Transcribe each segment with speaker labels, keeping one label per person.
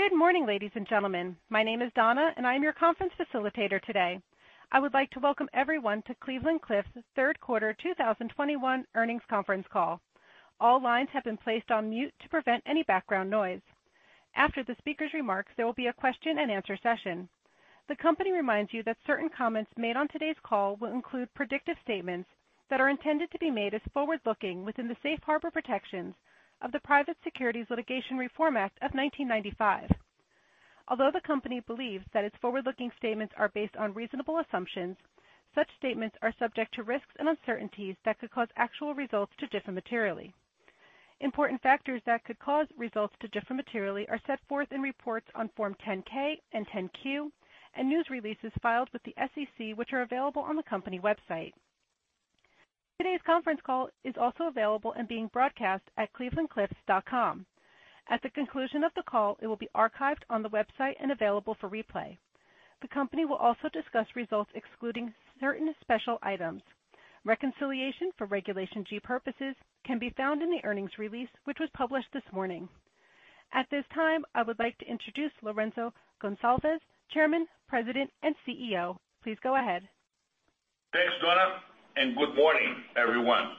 Speaker 1: Good morning, ladies and gentlemen. My name is Donna, and I am your conference facilitator today. I would like to welcome everyone to Cleveland-Cliffs' third quarter 2021 earnings conference call. All lines have been placed on mute to prevent any background noise. After the speaker's remarks, there will be a question and answer session. The company reminds you that certain comments made on today's call will include predictive statements that are intended to be made as forward-looking within the safe harbor protections of the Private Securities Litigation Reform Act of 1995. Although the company believes that its forward-looking statements are based on reasonable assumptions, such statements are subject to risks and uncertainties that could cause actual results to differ materially. Important factors that could cause results to differ materially are set forth in reports on Form 10-K and 10-Q and news releases filed with the SEC, which are available on the company website. Today's conference call is also available and being broadcast at clevelandcliffs.com. At the conclusion of the call, it will be archived on the website and available for replay. The company will also discuss results excluding certain special items. Reconciliation for Regulation G purposes can be found in the earnings release, which was published this morning. At this time, I would like to introduce Lourenco Goncalves, Chairman, President, and CEO. Please go ahead.
Speaker 2: Thanks, Donna. Good morning, everyone.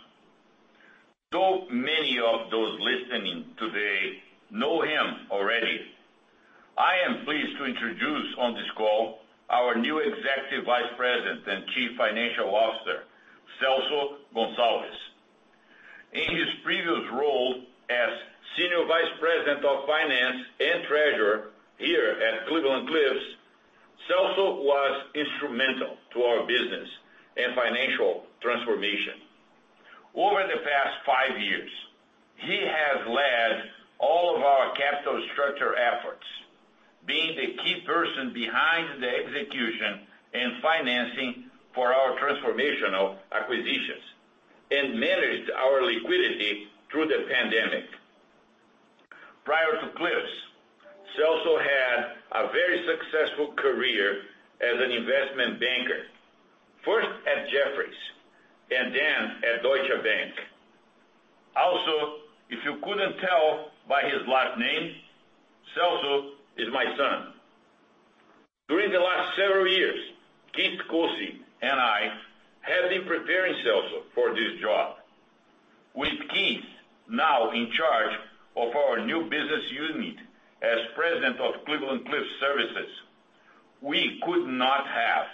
Speaker 2: Though many of those listening today know him already, I am pleased to introduce on this call our new Executive Vice President and Chief Financial Officer, Celso Goncalves. In his previous role as Senior Vice President of Finance and Treasurer here at Cleveland-Cliffs, Celso was instrumental to our business and financial transformation. Over the past five years, he has led all of our capital structure efforts, being the key person behind the execution and financing for our transformational acquisitions and managed our liquidity through the pandemic. Prior to Cliffs, Celso had a very successful career as an investment banker, first at Jefferies, and then at Deutsche Bank. If you couldn't tell by his last name, Celso is my son. During the last several years, Keith Koci and I have been preparing Celso for this job. With Keith now in charge of our new business unit as President of Cleveland-Cliffs Services, we could not have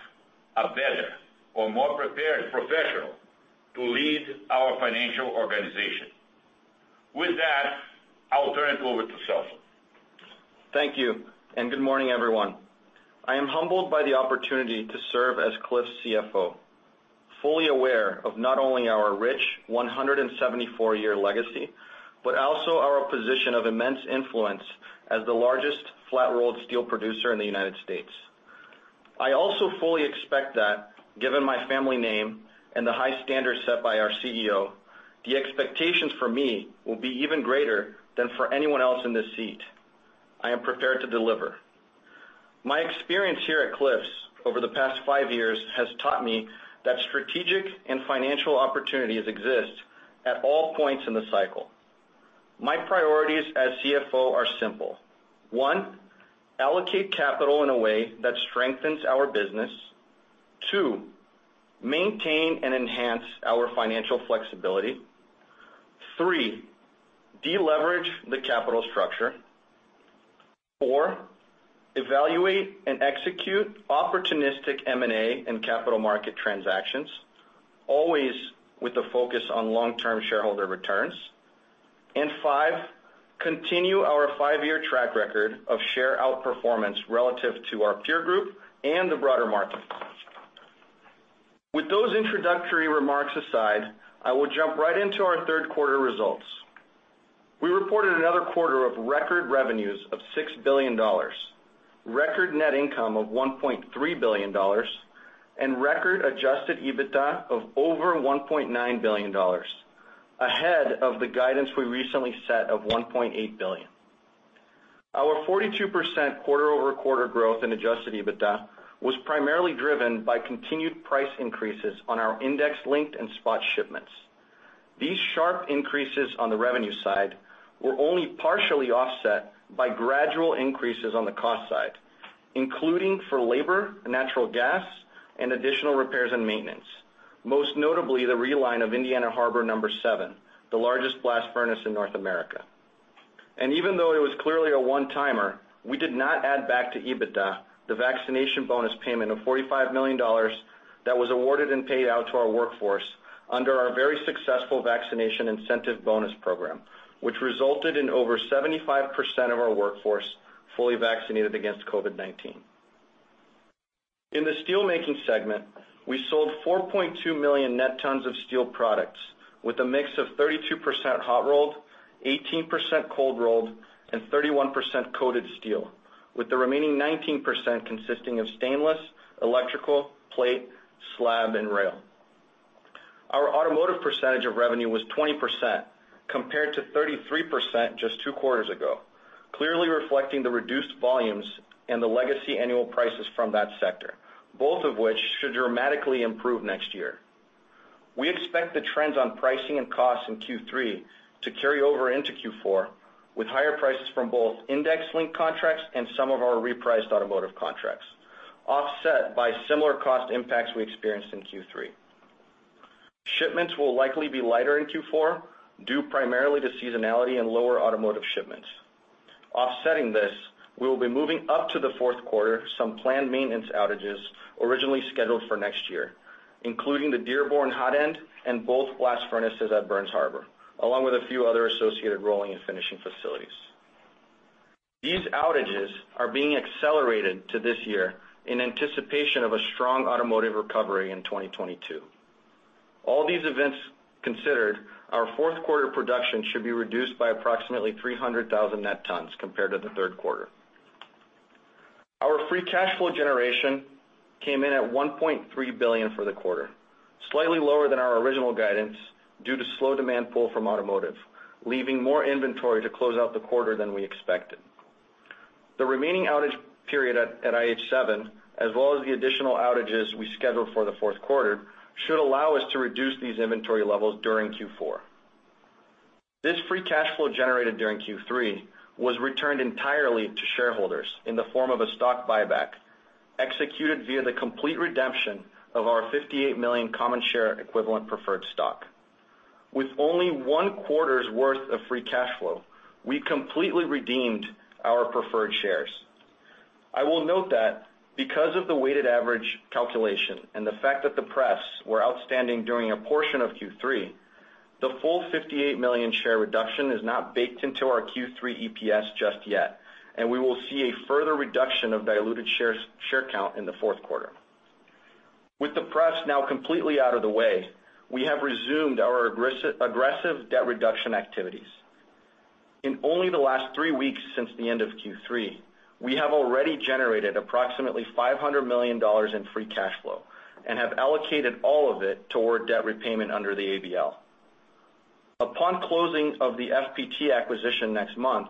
Speaker 2: a better or more prepared professional to lead our financial organization. With that, I will turn it over to Celso.
Speaker 3: Thank you. Good morning, everyone. I am humbled by the opportunity to serve as Cliffs CFO, fully aware of not only our rich 174-year legacy, but also our position of immense influence as the largest flat-rolled steel producer in the U.S. I also fully expect that, given my family name and the high standards set by our CEO, the expectations for me will be even greater than for anyone else in this seat. I am prepared to deliver. My experience here at Cliffs over the past five years has taught me that strategic and financial opportunities exist at all points in the cycle. My priorities as CFO are simple. One, allocate capital in a way that strengthens our business. Two, maintain and enhance our financial flexibility. Three, de-leverage the capital structure. Four, evaluate and execute opportunistic M&A and capital market transactions, always with the focus on long-term shareholder returns. Five, continue our five-year track record of share outperformance relative to our peer group and the broader market. With those introductory remarks aside, I will jump right into our third quarter results. We reported another quarter of record revenues of $6 billion, record net income of $1.3 billion, and record adjusted EBITDA of over $1.9 billion, ahead of the guidance we recently set of $1.8 billion. Our 42% quarter-over-quarter growth in adjusted EBITDA was primarily driven by continued price increases on our index-linked and spot shipments. These sharp increases on the revenue side were only partially offset by gradual increases on the cost side, including for labor, natural gas, and additional repairs and maintenance. Most notably, the reline of Indiana Harbor No. 7, the largest blast furnace in North America. Even though it was clearly a one timer, we did not add back to EBITDA the vaccination bonus payment of $45 million that was awarded and paid out to our workforce under our very successful vaccination incentive bonus program, which resulted in over 75% of our workforce fully vaccinated against COVID-19. In the steel making segment, we sold 4.2 million net tons of steel products with a mix of 32% hot rolled, 18% cold rolled, and 31% coated steel, with the remaining 19% consisting of stainless, electrical, plate, slab, and rail. Our automotive percentage of revenue was 20%, compared to 33% just 2 quarters ago, clearly reflecting the reduced volumes and the legacy annual prices from that sector, both of which should dramatically improve next year. We expect the trends on pricing and costs in Q3 to carry over into Q4, with higher prices from both index-linked contracts and some of our repriced automotive contracts, offset by similar cost impacts we experienced in Q3. Shipments will likely be lighter in Q4, due primarily to seasonality and lower automotive shipments. Offsetting this, we will be moving up to the 4th quarter some planned maintenance outages originally scheduled for next year, including the Dearborn hot end and both blast furnaces at Burns Harbor, along with a few other associated rolling and finishing facilities. These outages are being accelerated to this year in anticipation of a strong automotive recovery in 2022. All these events considered, our fourth quarter production should be reduced by approximately 300,000 net tons compared to the third quarter. Our free cash flow generation came in at $1.3 billion for the quarter, slightly lower than our original guidance due to slow demand pull from automotive, leaving more inventory to close out the quarter than we expected. The remaining outage period at IH7, as well as the additional outages we scheduled for the fourth quarter, should allow us to reduce these inventory levels during Q4. This free cash flow generated during Q3 was returned entirely to shareholders in the form of a stock buyback, executed via the complete redemption of our 58 million common share equivalent preferred stock. With only one quarter's worth of free cash flow, we completely redeemed our preferred shares. I will note that because of the weighted average calculation and the fact that the prefs were outstanding during a portion of Q3, the full 58 million share reduction is not baked into our Q3 EPS just yet, and we will see a further reduction of diluted share count in the fourth quarter. With the prefs now completely out of the way, we have resumed our aggressive debt reduction activities. In only the last 3 weeks since the end of Q3, we have already generated approximately $500 million in free cash flow and have allocated all of it toward debt repayment under the ABL. Upon closing of the FPT acquisition next month,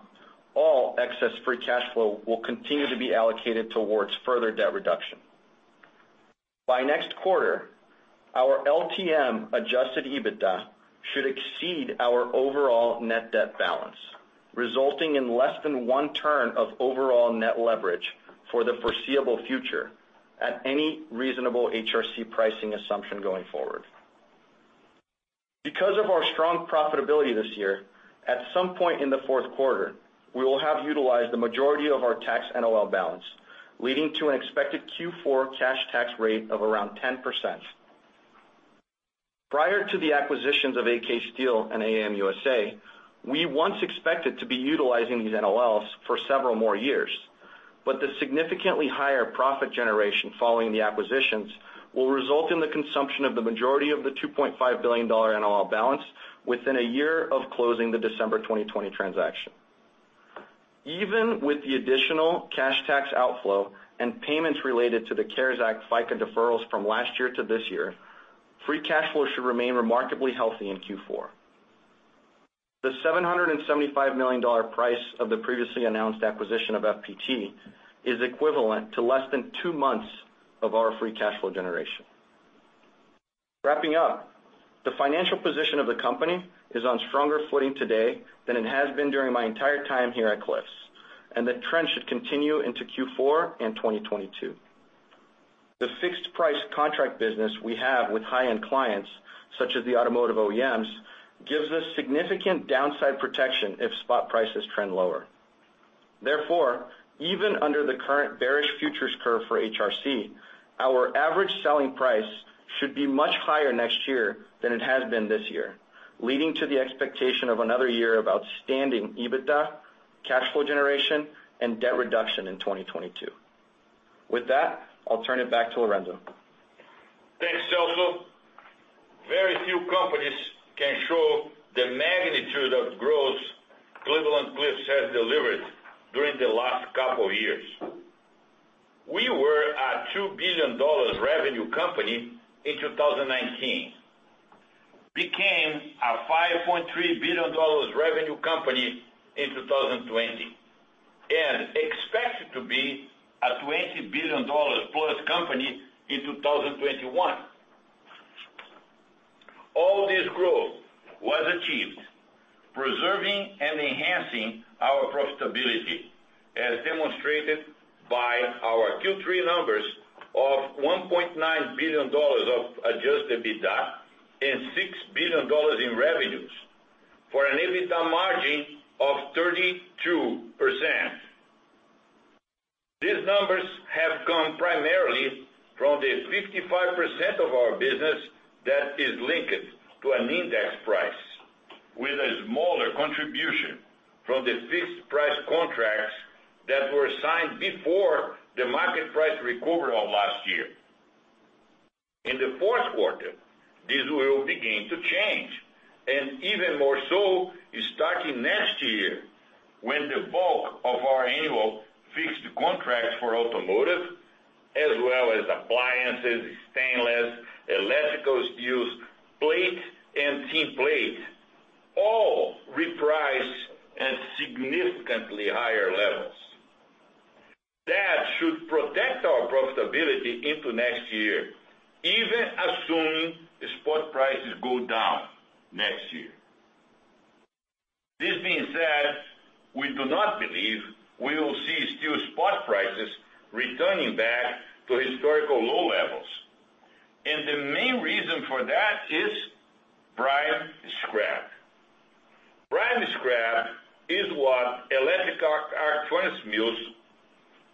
Speaker 3: all excess free cash flow will continue to be allocated towards further debt reduction. By next quarter, our LTM adjusted EBITDA should exceed our overall net debt balance, resulting in less than 1 turn of overall net leverage for the foreseeable future at any reasonable HRC pricing assumption going forward. Because of our strong profitability this year, at some point in the fourth quarter, we will have utilized the majority of our tax NOL balance, leading to an expected Q4 cash tax rate of around 10%. Prior to the acquisitions of AK Steel and AM USA, we once expected to be utilizing these NOLs for several more years, but the significantly higher profit generation following the acquisitions will result in the consumption of the majority of the $2.5 billion NOL balance within one year of closing the December 2020 transaction. Even with the additional cash tax outflow and payments related to the CARES Act FICA deferrals from last year to this year, free cash flow should remain remarkably healthy in Q4. The $775 million price of the previously announced acquisition of FPT is equivalent to less than two months of our free cash flow generation. Wrapping up, the financial position of the company is on stronger footing today than it has been during my entire time here at Cliffs, and the trend should continue into Q4 in 2022. The fixed price contract business we have with high-end clients, such as the automotive OEMs, gives us significant downside protection if spot prices trend lower. Even under the current varied futures curve for HRC, our average selling price should be much higher next year than it has been this year, leading to the expectation of another year of outstanding EBITDA, cash flow generation, and debt reduction in 2022. With that, I'll turn it back to Lourenco.
Speaker 2: Thanks, Celso. Very few companies can show the magnitude of growth Cleveland-Cliffs has delivered during the last couple of years. We were a $2 billion revenue company in 2019, became a $5.3 billion revenue company in 2020, and expect to be a $20 billion-plus company in 2021. All this growth was achieved preserving and enhancing our profitability, as demonstrated by our Q3 numbers of $1.9 billion of adjusted EBITDA and $6 billion in revenues for an EBITDA margin of 32%. These numbers have come primarily from the 55% of our business that is linked to an index price, with a smaller contribution from the fixed price contracts that were signed before the market price recovery of last year. In the fourth quarter, this will begin to change, and even more so starting next year when the bulk of our annual fixed contracts for automotive as well as appliances, stainless, electrical steels, plate, and tinplate all reprice at significantly higher levels. Our profitability into next year, even assuming the spot prices go down next year. The main reason for that is prime scrap. Prime scrap is what electric arc furnace mills,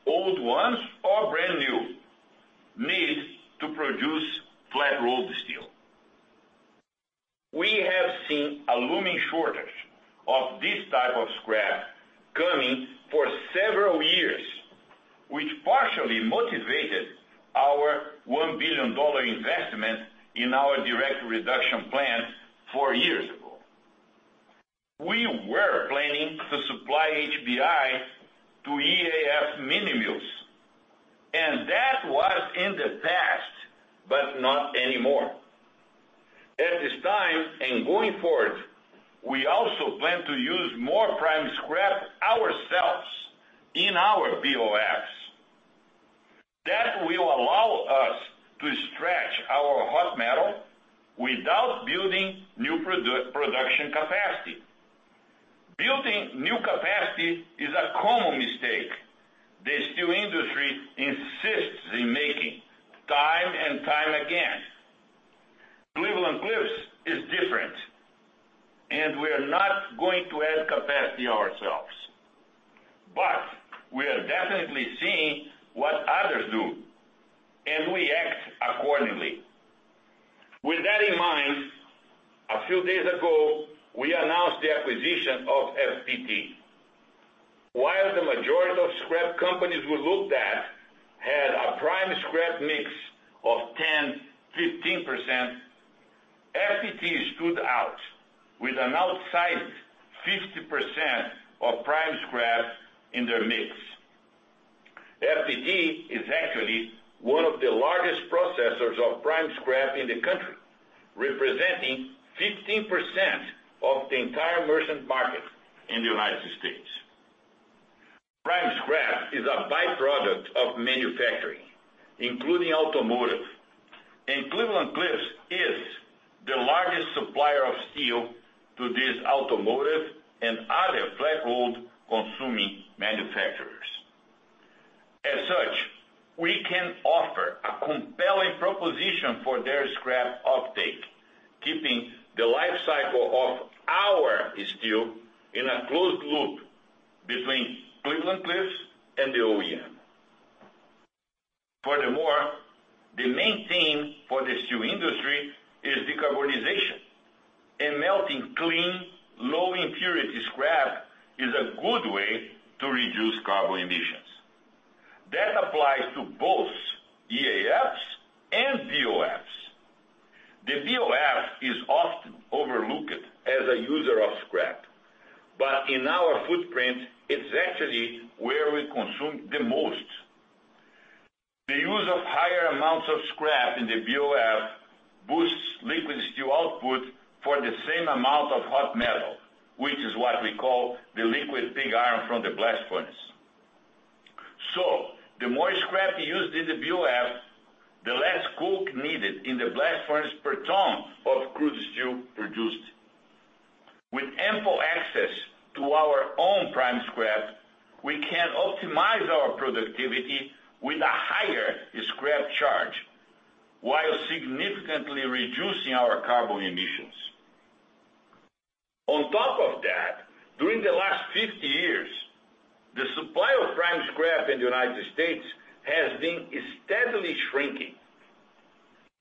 Speaker 2: old ones or brand new, need to produce flat-rolled steel. We have seen a looming shortage of this type of scrap coming for several years, which partially motivated our $1 billion investment in our direct reduction plan four years ago. We were planning to supply HBI to EAF mini mills, and that was in the past, but not anymore. At this time, and going forward, we also plan to use more prime scrap ourselves in our BOFs. That will allow us to stretch our hot metal without building new production capacity. Building new capacity is a common mistake the steel industry insists in making time and time again. Cleveland-Cliffs is different, and we're not going to add capacity ourselves. We are definitely seeing what others do, and we act accordingly. With that in mind, a few days ago, we announced the acquisition of FPT. While the majority of scrap companies we looked at had a prime scrap mix of 10%, 15%, FPT stood out with an outsized 50% of prime scrap in their mix. FPT is actually one of the largest processors of prime scrap in the country, representing 15% of the entire merchant market in the United States. Prime scrap is a by-product of manufacturing, including automotive, and Cleveland-Cliffs is the largest supplier of steel to these automotive and other flat-rolled consuming manufacturers. As such, we can offer a compelling proposition for their scrap offtake, keeping the life cycle of our steel in a closed loop between Cleveland-Cliffs and the OEM. Furthermore, the main theme for the steel industry is decarbonization. Melting clean, low impurity scrap is a good way to reduce carbon emissions. That applies to both EAFs and BOFs. The BOF is often overlooked as a user of scrap, but in our footprint, it's actually where we consume the most. The use of higher amounts of scrap in the BOF boosts liquid steel output for the same amount of hot metal, which is what we call the liquid pig iron from the blast furnace. The more scrap you use in the BOF, the less coke needed in the blast furnace per ton of crude steel produced. With ample access to our own prime scrap, we can optimize our productivity with a higher scrap charge while significantly reducing our carbon emissions. On top of that, during the last 50 years, the supply of prime scrap in the U.S. has been steadily shrinking.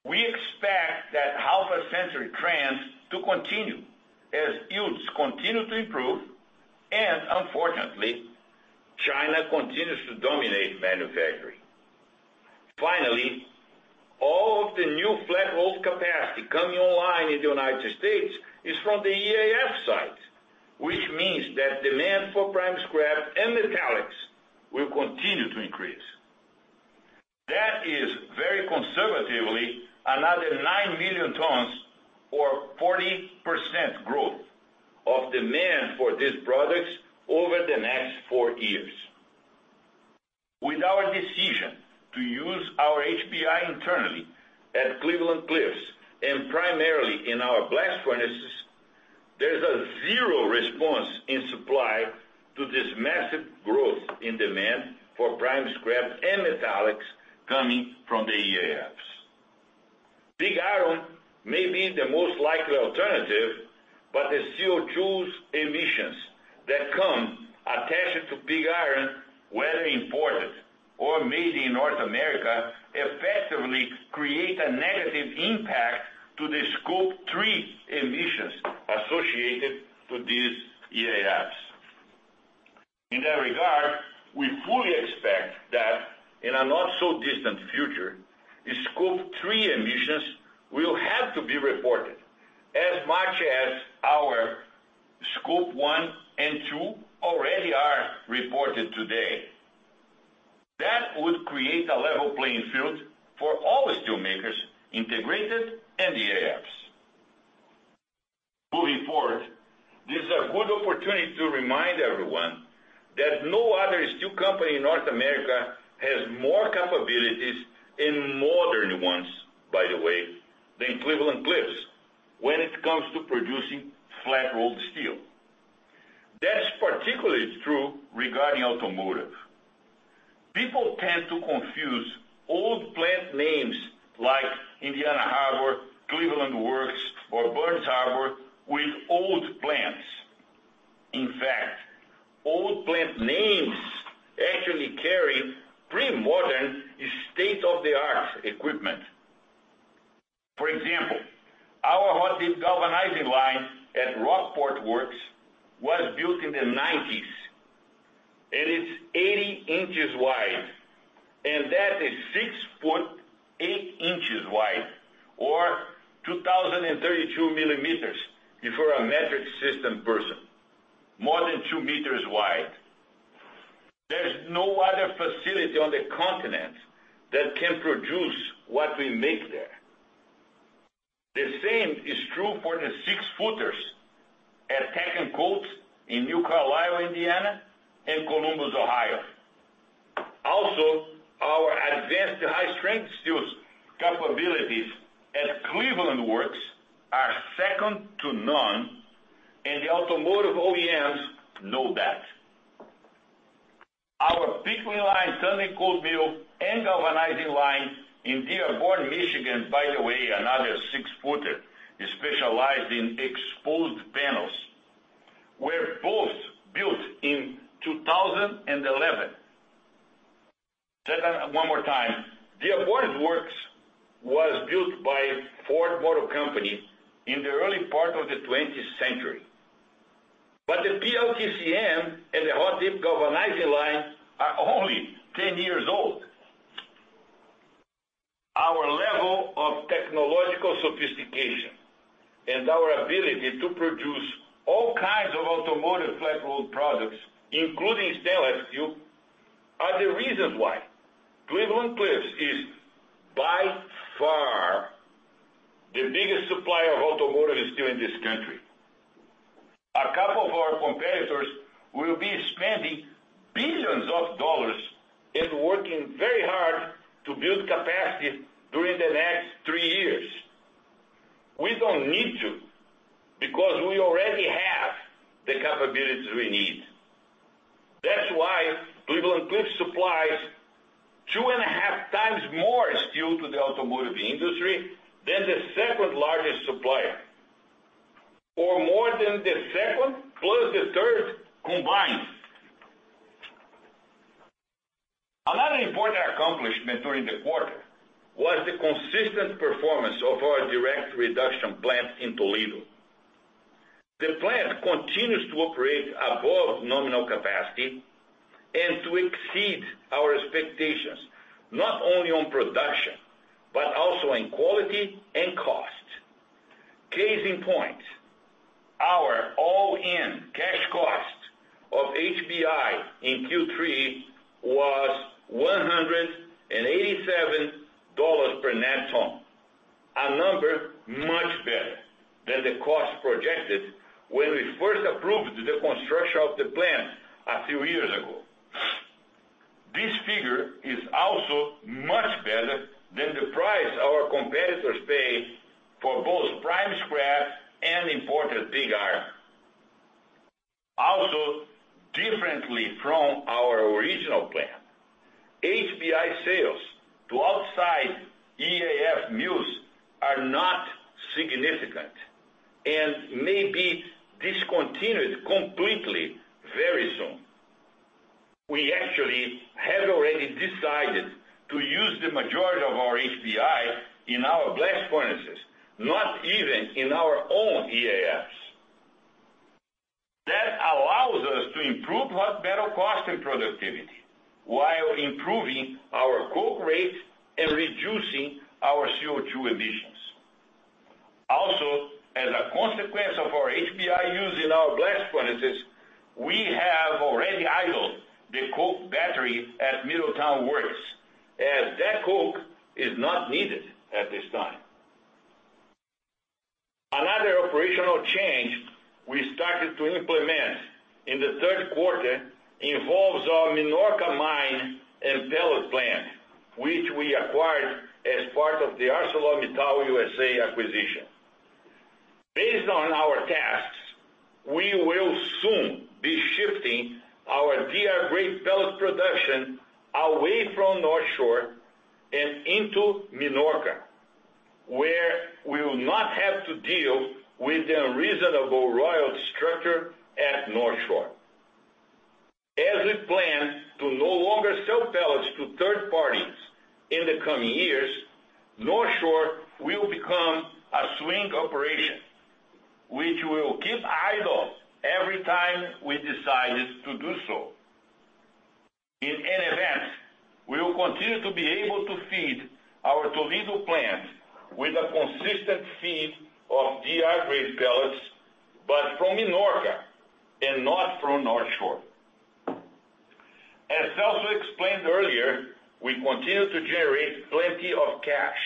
Speaker 2: We expect that half a century trend to continue as yields continue to improve, and unfortunately, China continues to dominate manufacturing. All of the new flat-rolled capacity coming online in the United States is from the EAF side, which means that demand for prime scrap and metallics will continue to increase. That is, very conservatively, another 9 million tons or 40% growth of demand for these products over the next 4 years. With our decision to use our HBI internally at Cleveland-Cliffs and primarily in our blast furnaces, there's a zero response in supply to this massive growth in demand for prime scrap and metallics coming from the EAFs. Pig iron may be the most likely alternative, but the CO2 emissions that come attached to pig iron, whether imported or made in North America, effectively create a negative impact to the Scope 3 emissions associated to these EAFs. In that regard, we fully expect that in a not so distant future, Scope 3 emissions will have to be reported as much as our Scope 1 and 2 already are reported today. That would create a level playing field for all the steel makers, integrated and EAFs. This is a good opportunity to remind everyone that no other steel company in North America has more capabilities, and modern ones, by the way, than Cleveland-Cliffs, when it comes to producing flat-rolled steel. That's particularly true regarding automotive. People tend to confuse old plant names like Indiana Harbor, Cleveland Works, or Burns Harbor with old plants. In fact, old plant names actually carry pretty modern state-of-the-art equipment. For example, our hot-dip galvanizing line at Rockport Works was built in the '90s, and it's 80 inches wide, and that is six foot eight inches wide, or 2,032 millimeters, if you're a metric system person. More than two meters wide. There's no other facility on the continent that can produce what we make there. The same is true for the six-footers at Tek and Kote in New Carlisle, Indiana, and Columbus, Ohio. Also, our advanced high-strength steels capabilities at Cleveland Works are second to none, and the automotive OEMs know that. Our pickling line, tandem cold mill, and galvanizing line in Dearborn, Michigan, by the way, another six-footer, specialized in exposed panels, were both built in 2011. Say that one more time. Dearborn Works was built by Ford Motor Company in the early part of the 20th century. The PLTCM and the hot-dip galvanizing line are only 10 years old. Our level of technological sophistication and our ability to produce all kinds of automotive flat rolled products, including stainless steel, are the reasons why Cleveland-Cliffs is by far the biggest supplier of automotive steel in this country. A couple of our competitors will be spending billions of dollars and working very hard to build capacity during the next three years. We don't need to because we already have the capabilities we need. That's why Cleveland-Cliffs supplies two and a half times more steel to the automotive industry than the second largest supplier, or more than the second plus the third combined. Another important accomplishment during the quarter was the consistent performance of our direct reduction plant in Toledo. The plant continues to operate above nominal capacity and to exceed our expectations, not only on production, but also in quality and cost. Case in point, our all-in cash cost of HBI in Q3 was $187 per net ton. A number much better than the cost projected when we first approved the construction of the plant a few years ago. Also, differently from our original plan, HBI sales to outside EAF mills are not significant and may be discontinued completely very soon. We actually have already decided to use the majority of our HBI in our blast furnaces, not even in our own EAFs. That allows us to improve hot metal cost and productivity while improving our coke rate and reducing our CO2 emissions. As a consequence of our HBI use in our blast furnaces, we have already idled the coke battery at Middletown Works, as that coke is not needed at this time. Another operational change we started to implement in the 3rd quarter involves our Minorca Mine and pellet plant, which we acquired as part of the ArcelorMittal USA acquisition. Based on our tests, we will soon be shifting our DR-grade pellet production away from North Shore and into Minorca, where we will not have to deal with the unreasonable royalty structure at North Shore. We plan to no longer sell pellets to third parties in the coming years, North Shore will become a swing operation, which we will keep idle every time we decide to do so. In any event, we will continue to be able to feed our Toledo plant with a consistent feed of DR-grade pellets, but from Minorca and not from Northshore. We continue to generate plenty of cash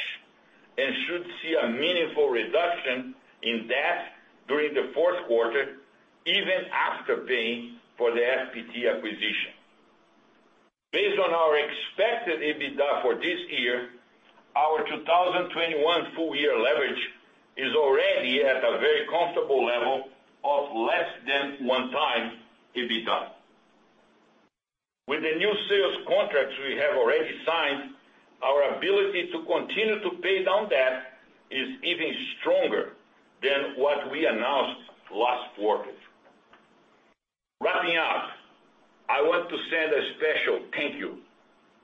Speaker 2: and should see a meaningful reduction in debt during the fourth quarter, even after paying for the FPT acquisition. Based on our expected EBITDA for this year, our 2021 full year leverage is already at a very comfortable level of less than 1x EBITDA. With the new sales contracts we have already signed, our ability to continue to pay down debt is even stronger than what we announced last quarter. Wrapping up, I want to send a special thank you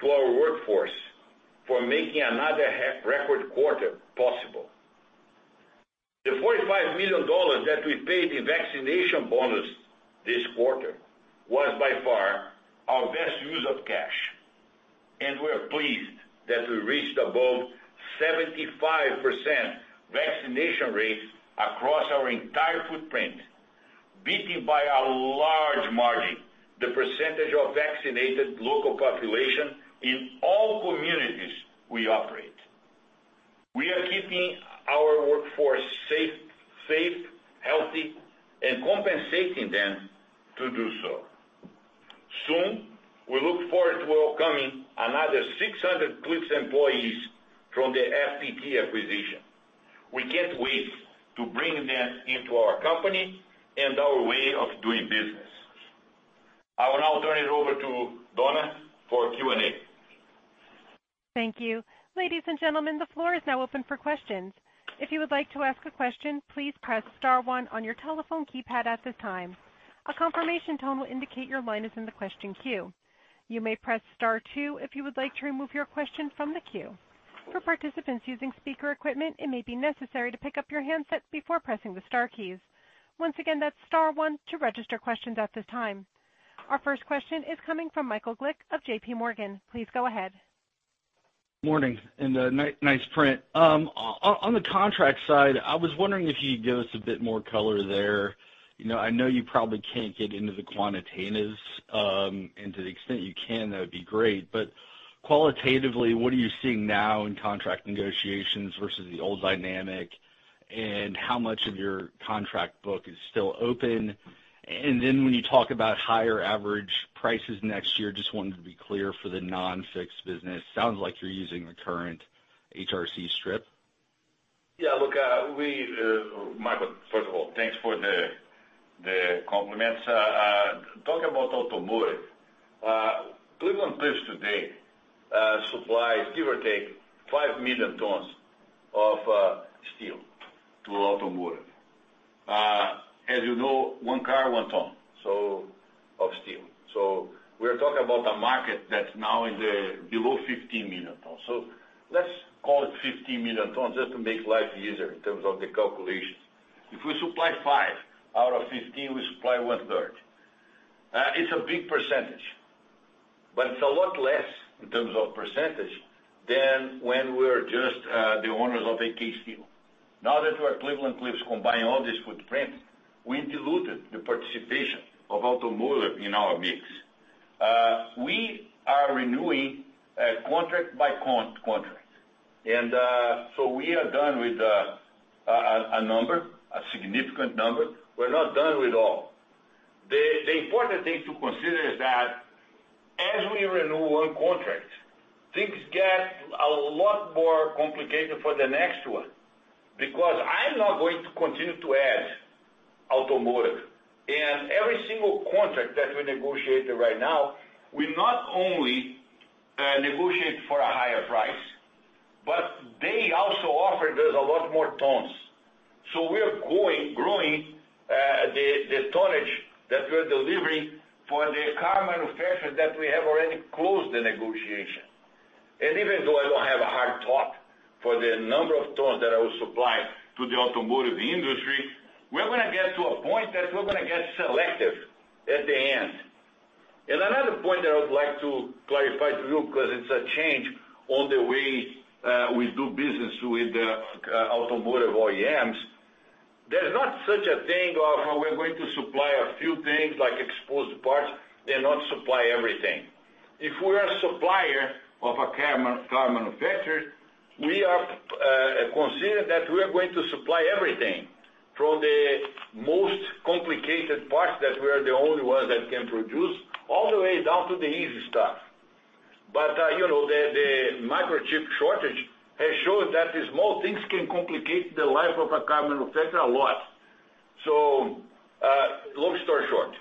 Speaker 2: to our workforce for making another record quarter possible. The $45 million that we paid in vaccination bonus this quarter was by far our best use of cash. We're pleased that we reached above 75% vaccination rates across our entire footprint, beating by a large margin the percentage of vaccinated local population in all communities we operate. We are keeping our workforce safe, healthy, and compensating them to do so. Soon, we look forward to welcoming another 600 Cliffs employees from the FPT acquisition. We can't wait to bring them into our company and our way of doing business. I will now turn it over to Donna for Q&A.
Speaker 1: Our first question is coming from Michael Glick of JPMorgan. Please go ahead.
Speaker 4: Morning, nice print. On the contract side, I was wondering if you could give us a bit more color there. I know you probably can't get into the quantitatives. To the extent you can, that would be great. Qualitatively, what are you seeing now in contract negotiations versus the old dynamic? How much of your contract book is still open? When you talk about higher average prices next year, just wanted to be clear for the non-fixed business, sounds like you're using the current HRC strip.
Speaker 2: Yeah, look, Michael, first of all, thanks for the compliments. Talking about automotive, Cleveland-Cliffs today supplies, give or take, five million tons of steel to automotive. As you know, one car, one ton of steel. We're talking about a market that's now below 15 million tons. Let's call it 15 million tons just to make life easier in terms of the calculations. If we supply five out of 15, we supply 1/3. It's a big percentage, but it's a lot less in terms of percentage than when we're just the owners of AK Steel. Now that we're Cleveland-Cliffs combining all these footprints, we diluted the participation of automotive in our mix. We are renewing contract by contract. We are done with a number, a significant number. We're not done with all. The important thing to consider is that as we renew one contract, things get a lot more complicated for the next one, because I'm not going to continue to add automotive. Every single contract that we negotiate right now, we not only negotiate for a higher price, but they also offer us a lot more tons. We are growing the tonnage that we're delivering for the car manufacturers that we have already closed the negotiation. Even though I don't have a hard target for the number of tons that I will supply to the automotive industry, we're going to get to a point that we're going to get selective at the end. Another point that I would like to clarify to you, because it's a change on the way we do business with the automotive OEMs. There's not such a thing of we're going to supply a few things like exposed parts and not supply everything. If we are a supplier of a car manufacturer, we are considering that we are going to supply everything from the most complicated parts that we are the only one that can produce, all the way down to the easy stuff. The microchip shortage has shown that the small things can complicate the life of a car manufacturer a lot. Long story short,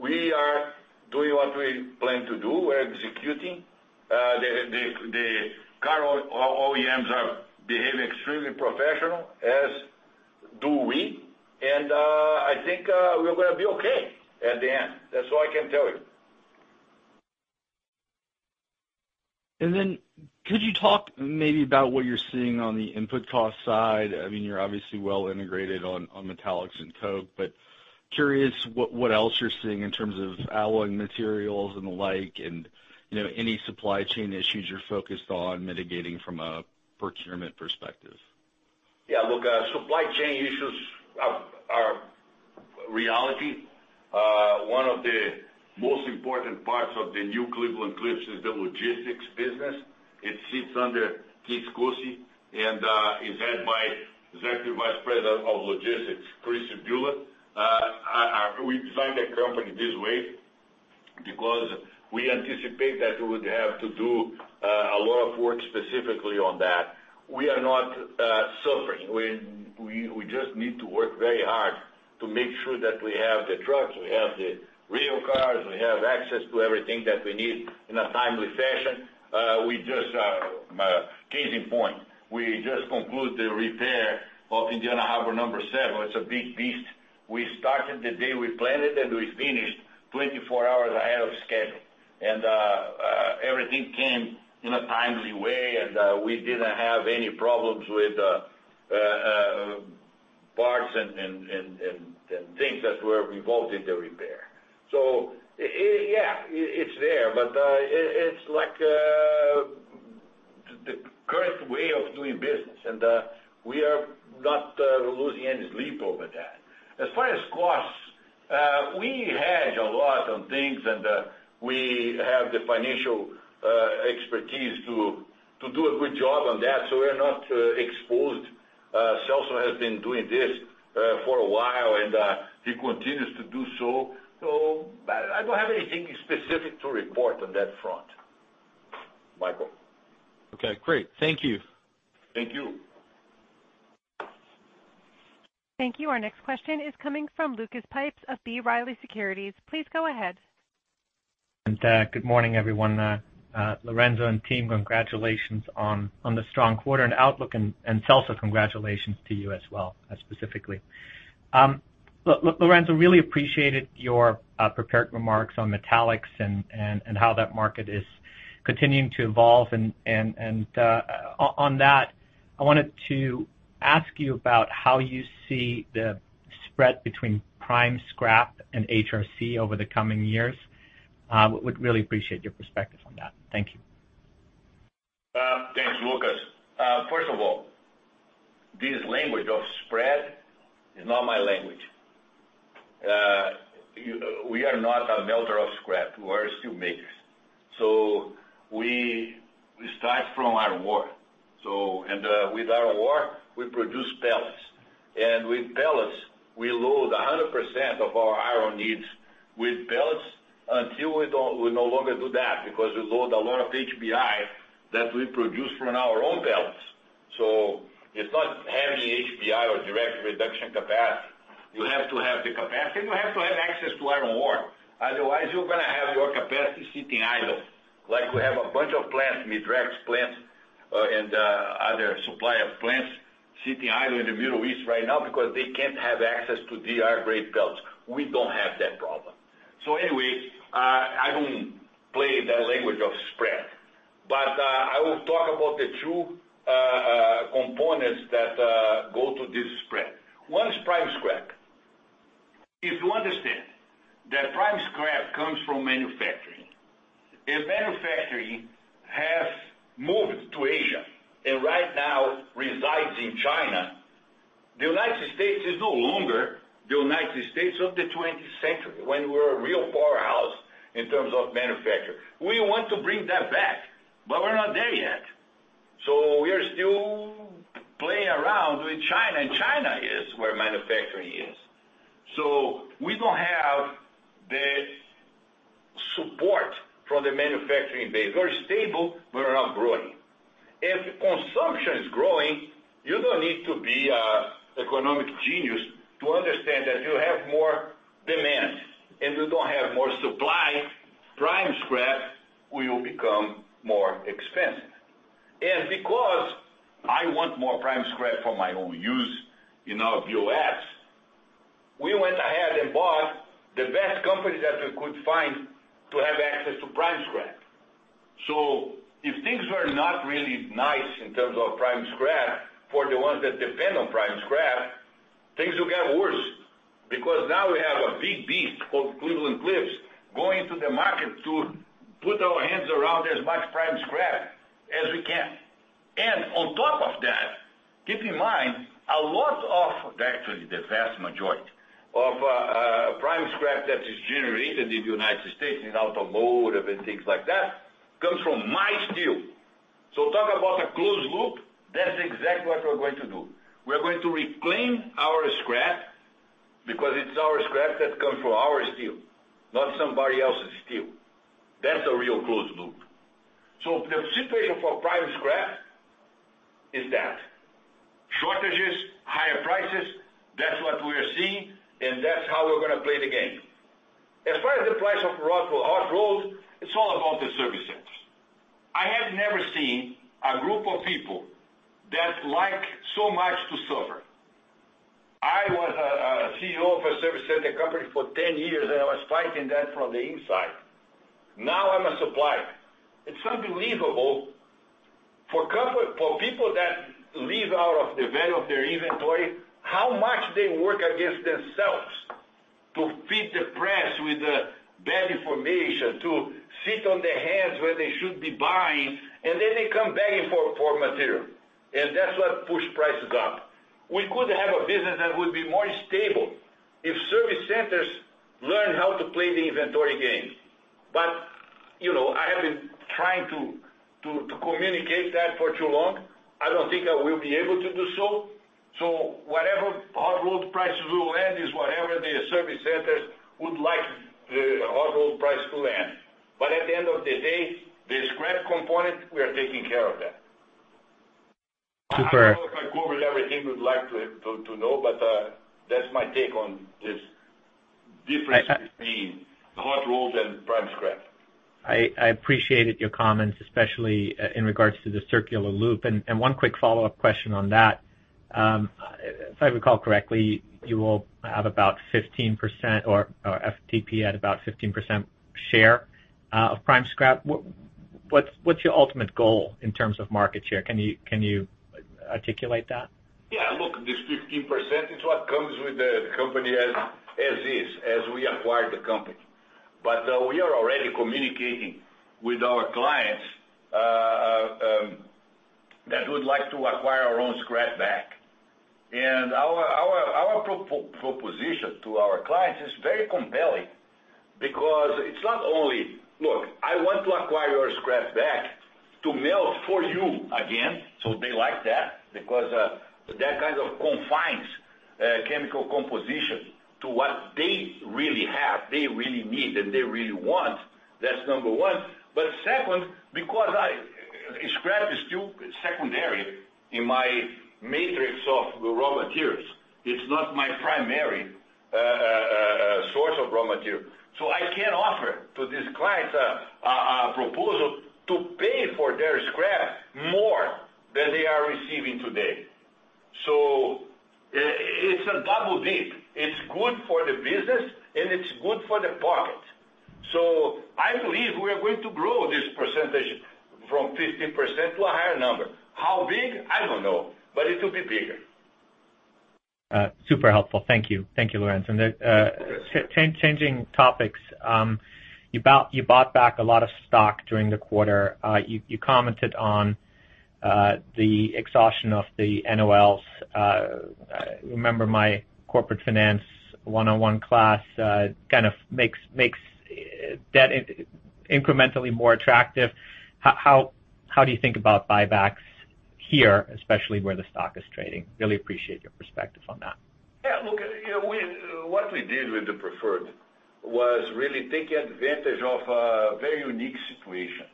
Speaker 2: we are doing what we plan to do. We're executing. The car OEMs are behaving extremely professional, as do we. I think we're going to be okay at the end. That's all I can tell you.
Speaker 4: Could you talk maybe about what you're seeing on the input cost side? You're obviously well integrated on metallics and coke, but curious what else you're seeing in terms of alloy materials and the like, and any supply chain issues you're focused on mitigating from a procurement perspective.
Speaker 2: Yeah, look, supply chain issues are reality, one of the most important parts of the new Cleveland-Cliffs is the logistics business. It sits under Keith Koci and is headed by Executive Vice President of Logistics, Chris Buehler. We designed the company this way because we anticipate that we would have to do a lot of work specifically on that. We are not suffering. We just need to work very hard to make sure that we have the trucks, we have the rail cars, we have access to everything that we need in a timely fashion. Case in point, we just concluded the repair of Indiana Harbor No. 7. It's a big beast. We started the day we planned it, and we finished 24 hours ahead of schedule. Everything came in a timely way, and we didn't have any problems with parts and things that were involved in the repair. Yeah, it's there, but it's like the current way of doing business, and we are not losing any sleep over that. As far as costs, we hedge a lot on things, and we have the financial expertise to do a good job on that, so we're not exposed. Celso has been doing this for a while, and he continues to do so. I don't have anything specific to report on that front. Michael?
Speaker 4: Okay, great. Thank you.
Speaker 2: Thank you.
Speaker 1: Thank you. Our next question is coming from Lucas Pipes of B. Riley Securities. Please go ahead.
Speaker 5: Good morning, everyone. Lourenco and team, congratulations on the strong quarter and outlook, and Celso, congratulations to you as well, specifically. Look, Lourenco, really appreciated your prepared remarks on metallics and how that market is continuing to evolve, and on that, I wanted to ask you about how you see the spread between prime scrap and HRC over the coming years. Would really appreciate your perspective on that. Thank you.
Speaker 2: Thanks, Lucas. First of all, this language of spread is not my language. We are not a melter of scrap. We are steel makers. We start from iron ore. With iron ore, we produce pellets. With pellets, we load 100% of our iron needs with pellets until we no longer do that, because we load a lot of HBI that we produce from our own pellets. It's not having HBI or direct reduction capacity. You have to have the capacity, and you have to have access to iron ore. Otherwise, you're going to have your capacity sitting idle. Like we have a bunch of plants, Midrex plants, and other supplier plants sitting idle in the Middle East right now because they can't have access to DR-grade pellets. We don't have that problem. Anyway, I don't play that language of spread. I will talk about the two components that go to this spread. One is prime scrap. If you understand that prime scrap comes from manufacturing, if manufacturing has moved to Asia, and right now resides in China, the U.S. is no longer the U.S. of the 20th century, when we were a real powerhouse in terms of manufacturing. We want to bring that back, but we're not there yet. We are still playing around with China, and China is where manufacturing is. We don't have the support from the manufacturing base. We're stable, but we're not growing. If consumption is growing, you don't need to be an economic genius to understand that you have more demand, and you don't have more supply, prime scrap will become more expensive. Because I want more prime scrap for my own use in our U.S., we went ahead and bought the best company that we could find to have access to prime scrap. If things were not really nice in terms of prime scrap, for the ones that depend on prime scrap, things will get worse, because now we have a big beast called Cleveland-Cliffs going to the market to put our hands around as much prime scrap as we can. On top of that, keep in mind, a lot of, actually, the vast majority of prime scrap that is generated in the United States in automotive and things like that, comes from my steel. Talk about a closed loop, that's exactly what we're going to do. We're going to reclaim our scrap because it's our scrap that comes from our steel, not somebody else's steel. That's a real closed loop. The situation for prime scrap is that. Shortages, higher prices, that's what we're seeing, and that's how we're going to play the game. As far as the price of hot rolled, it's all about the service centers. I have never seen a group of people that like so much to suffer. I was a CEO of a service center company for 10 years, and I was fighting that from the inside. Now I'm a supplier. It's unbelievable for people that live out of the value of their inventory, how much they work against themselves to feed the press with bad information, to sit on their hands where they should be buying, and then they come begging for material. That's what pushed prices up. We could have a business that would be more stable if service centers learn how to play the inventory game. I have been trying to communicate that for too long. I don't think I will be able to do so. Whatever hot rolled prices will end is whatever the service centers would like the hot rolled price to end. At the end of the day, the scrap component, we are taking care of that.
Speaker 5: Super.
Speaker 2: I don't know if I covered everything you would like to know, but that's my take on this difference between hot rolls and prime scrap.
Speaker 5: I appreciated your comments, especially in regards to the circular loop. One quick follow-up question on that. If I recall correctly, you all have about 15%, or FTP had about 15% share of prime scrap. What's your ultimate goal in terms of market share? Can you articulate that?
Speaker 2: Yeah, look, this 15% is what comes with the company as is, as we acquired the company. We are already communicating with our clients, that would like to acquire our own scrap back. Our proposition to our clients is very compelling because it's not only, Look, I want to acquire your scrap back to melt for you again. They like that because that kind of confines chemical composition to what they really have, they really need, and they really want. That's number one. Second, because scrap is still secondary in my matrix of raw materials, it's not my primary source of raw material. I can offer to these clients a proposal to pay for their scrap more than they are receiving today. It's a double dip. It's good for the business and it's good for the pocket. I believe we are going to grow this percentage from 15% to a higher number. How big? I don't know, but it will be bigger.
Speaker 5: Super helpful. Thank you. Thank you, Lourenco. Changing topics. You bought back a lot of stock during the quarter. You commented on the exhaustion of the NOLs. Remember my corporate finance 101 class kind of makes debt incrementally more attractive. How do you think about buybacks here, especially where the stock is trading? Really appreciate your perspective on that.
Speaker 2: Yeah, look, what we did with the preferred was really take advantage of a very unique situation.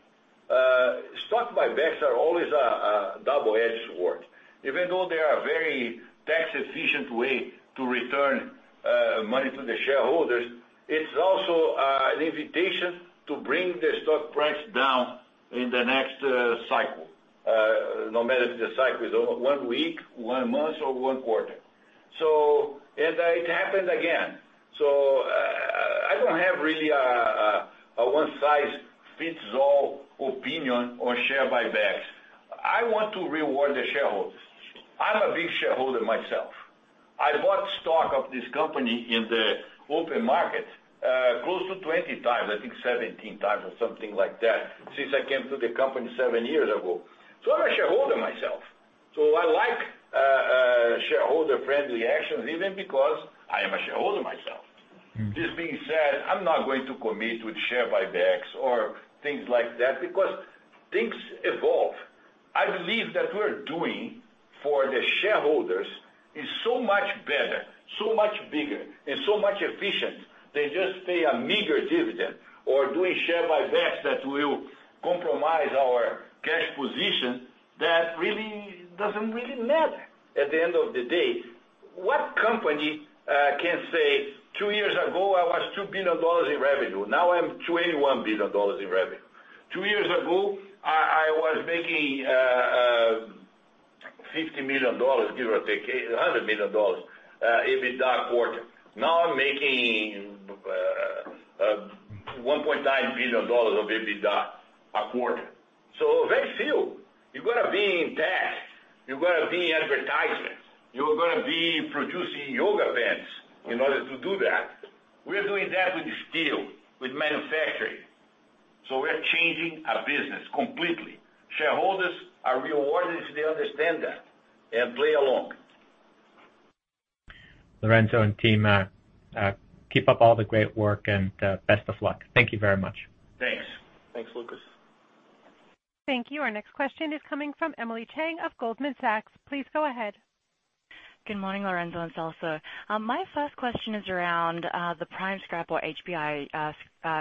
Speaker 2: Stock buybacks are always a double-edged sword. Even though they are a very tax-efficient way to return money to the shareholders, it's also an invitation to bring the stock price down in the next cycle, no matter if the cycle is one week, one month, or one quarter. It happened again. I don't have really a one-size-fits-all opinion on share buybacks. I want to reward the shareholders. I'm a big shareholder myself. I bought stock of this company in the open market, close to 20 times, I think 17 times or something like that, since I came to the company seven years ago. I'm a shareholder myself. I like shareholder-friendly actions, even because I am a shareholder myself. This being said, I'm not going to commit with share buybacks or things like that because things evolve. I believe what we're doing for the shareholders is so much better, so much bigger, and so much efficient than just pay a meager dividend or doing share buybacks that will compromise our cash position that really doesn't matter at the end of the day. What company can say, Two years ago, I was $2 billion in revenue. Now I'm $21 billion in revenue. Two years ago, I was making $50 million, give or take, $100 million EBITDA a quarter. Now I'm making $1.9 billion of EBITDA a quarter. Very few. You've got to be in tech. You've got to be in advertisement. You've got to be producing yoga pants in order to do that. We are doing that with steel, with manufacturing. We are changing our business completely. Shareholders are rewarded if they understand that and play along.
Speaker 5: Lourenco and team, keep up all the great work and best of luck. Thank you very much.
Speaker 2: Thanks.
Speaker 3: Thanks, Lucas.
Speaker 1: Thank you. Our next question is coming from Emily Chieng of Goldman Sachs. Please go ahead.
Speaker 6: Good morning, Lourenco and Celso. My first question is around the prime scrap or HBI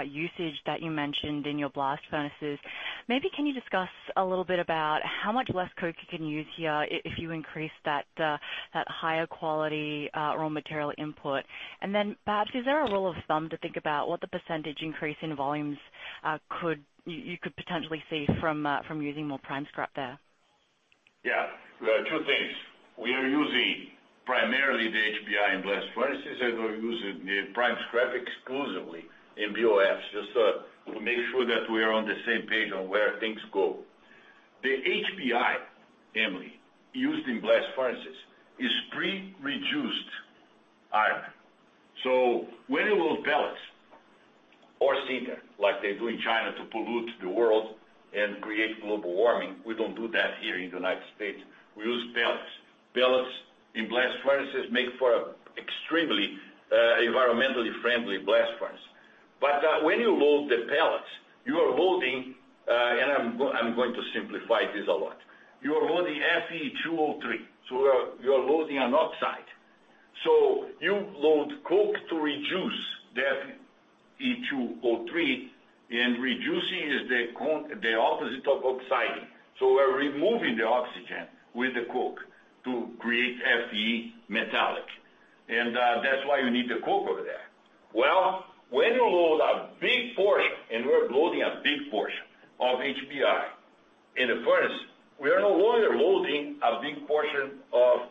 Speaker 6: usage that you mentioned in your blast furnaces. Maybe can you discuss a little bit about how much less coke you can use here if you increase that higher quality raw material input? Perhaps, is there a rule of thumb to think about what the % increase in volumes you could potentially see from using more prime scrap there?
Speaker 2: Yeah. 2 things. We are using primarily the HBI in blast furnaces, and we're using the prime scrap exclusively in BOFs, just to make sure that we are on the same page on where things go. The HBI, Emily, used in blast furnaces is pre-reduced iron. When it will balance or cinder, like they do in China to pollute the world and create global warming. We don't do that here in the U.S. We use pellets. Pellets in blast furnaces make for extremely environmentally friendly blast furnace. When you load the pellets, you are loading, and I'm going to simplify this a lot. You are loading Fe2O3, so you are loading an oxide. You load coke to reduce the Fe2O3, and reducing is the opposite of oxidizing. We're removing the oxygen with the coke to create Fe metallic. That's why you need the coke over there. When you load a big portion, and we're loading a big portion of HBI in the furnace, we are no longer loading a big portion of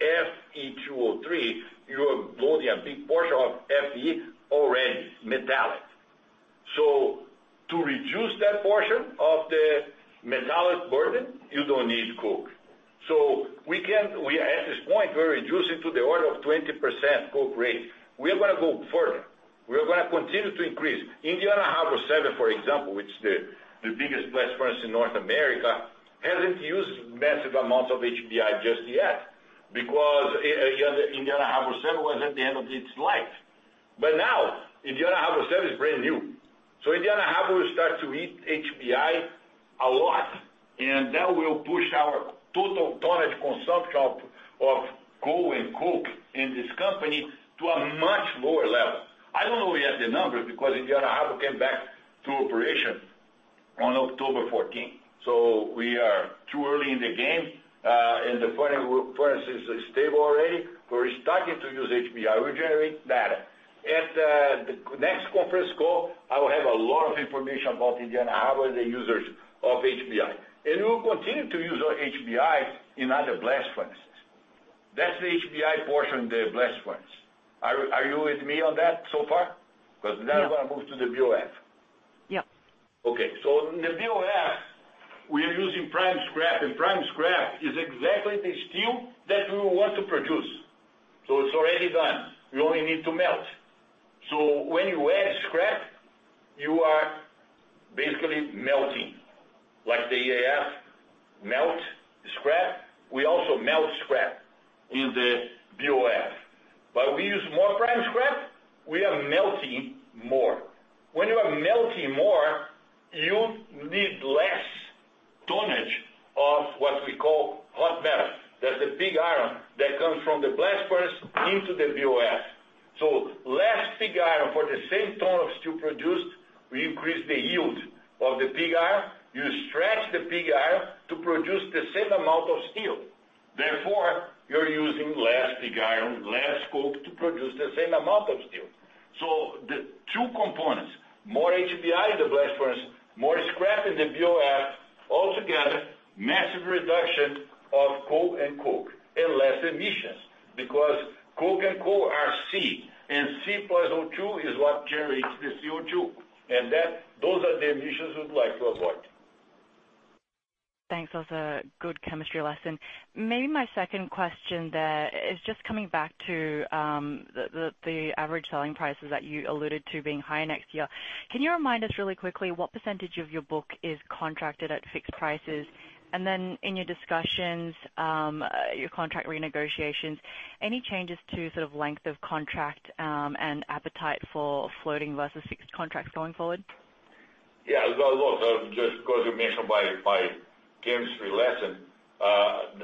Speaker 2: Fe2O3. You are loading a big portion of Fe already metallic. To reduce that portion of the metallic burden, you don't need coke. At this point, we're reducing to the order of 20% coke rate. We're going to go further. We're going to continue to increase. Indiana Harbor No. Seven, for example, which is the biggest blast furnace in North America, hasn't used massive amounts of HBI just yet because Indiana Harbor No. Seven was at the end of its life. Now Indiana Harbor No. 7 is brand new. Indiana Harbor will start to eat HBI a lot, and that will push our total tonnage consumption of coal and coke in this company to a much lower level. I don't know yet the numbers, because Indiana Harbor came back to operation on October 14th. We are too early in the game, and the furnace is stable already. We're starting to use HBI. We're generating data. At the next conference call, I will have a lot of information about Indiana Harbor, the users of HBI. We will continue to use our HBI in other blast furnaces. That's the HBI portion of the blast furnace. Are you with me on that so far?
Speaker 6: Yeah.
Speaker 2: Now I'm going to move to the BOF.
Speaker 6: Yeah.
Speaker 2: Okay. In the BOF, we are using prime scrap, and prime scrap is exactly the steel that we want to produce. It's already done. We only need to melt. When you add scrap, you are basically melting. Like the EAF melt scrap, we also melt scrap in the BOF. We use more prime scrap, we are melting more. When you are melting more, you need less tonnage of what we call hot metal. That's the pig iron that comes from the blast furnace into the BOF. Less pig iron for the same ton of steel produced, we increase the yield of the pig iron. You stretch the pig iron to produce the same amount of steel. Therefore, you're using less pig iron, less coke to produce the same amount of steel. The two components, more HBI in the blast furnace, more scrap in the BOF, all together, massive reduction of coal and coke and less emissions, because coke and coal are C, and C plus O2 is what generates the CO2. Those are the emissions we'd like to avoid.
Speaker 6: Thanks. That was a good chemistry lesson. Maybe my second question there is just coming back to the average selling prices that you alluded to being higher next year. Can you remind us really quickly what percentage of your book is contracted at fixed prices? Then in your discussions, your contract renegotiations, any changes to sort of length of contract, and appetite for floating versus fixed contracts going forward?
Speaker 2: Look, just because you mentioned my chemistry lesson,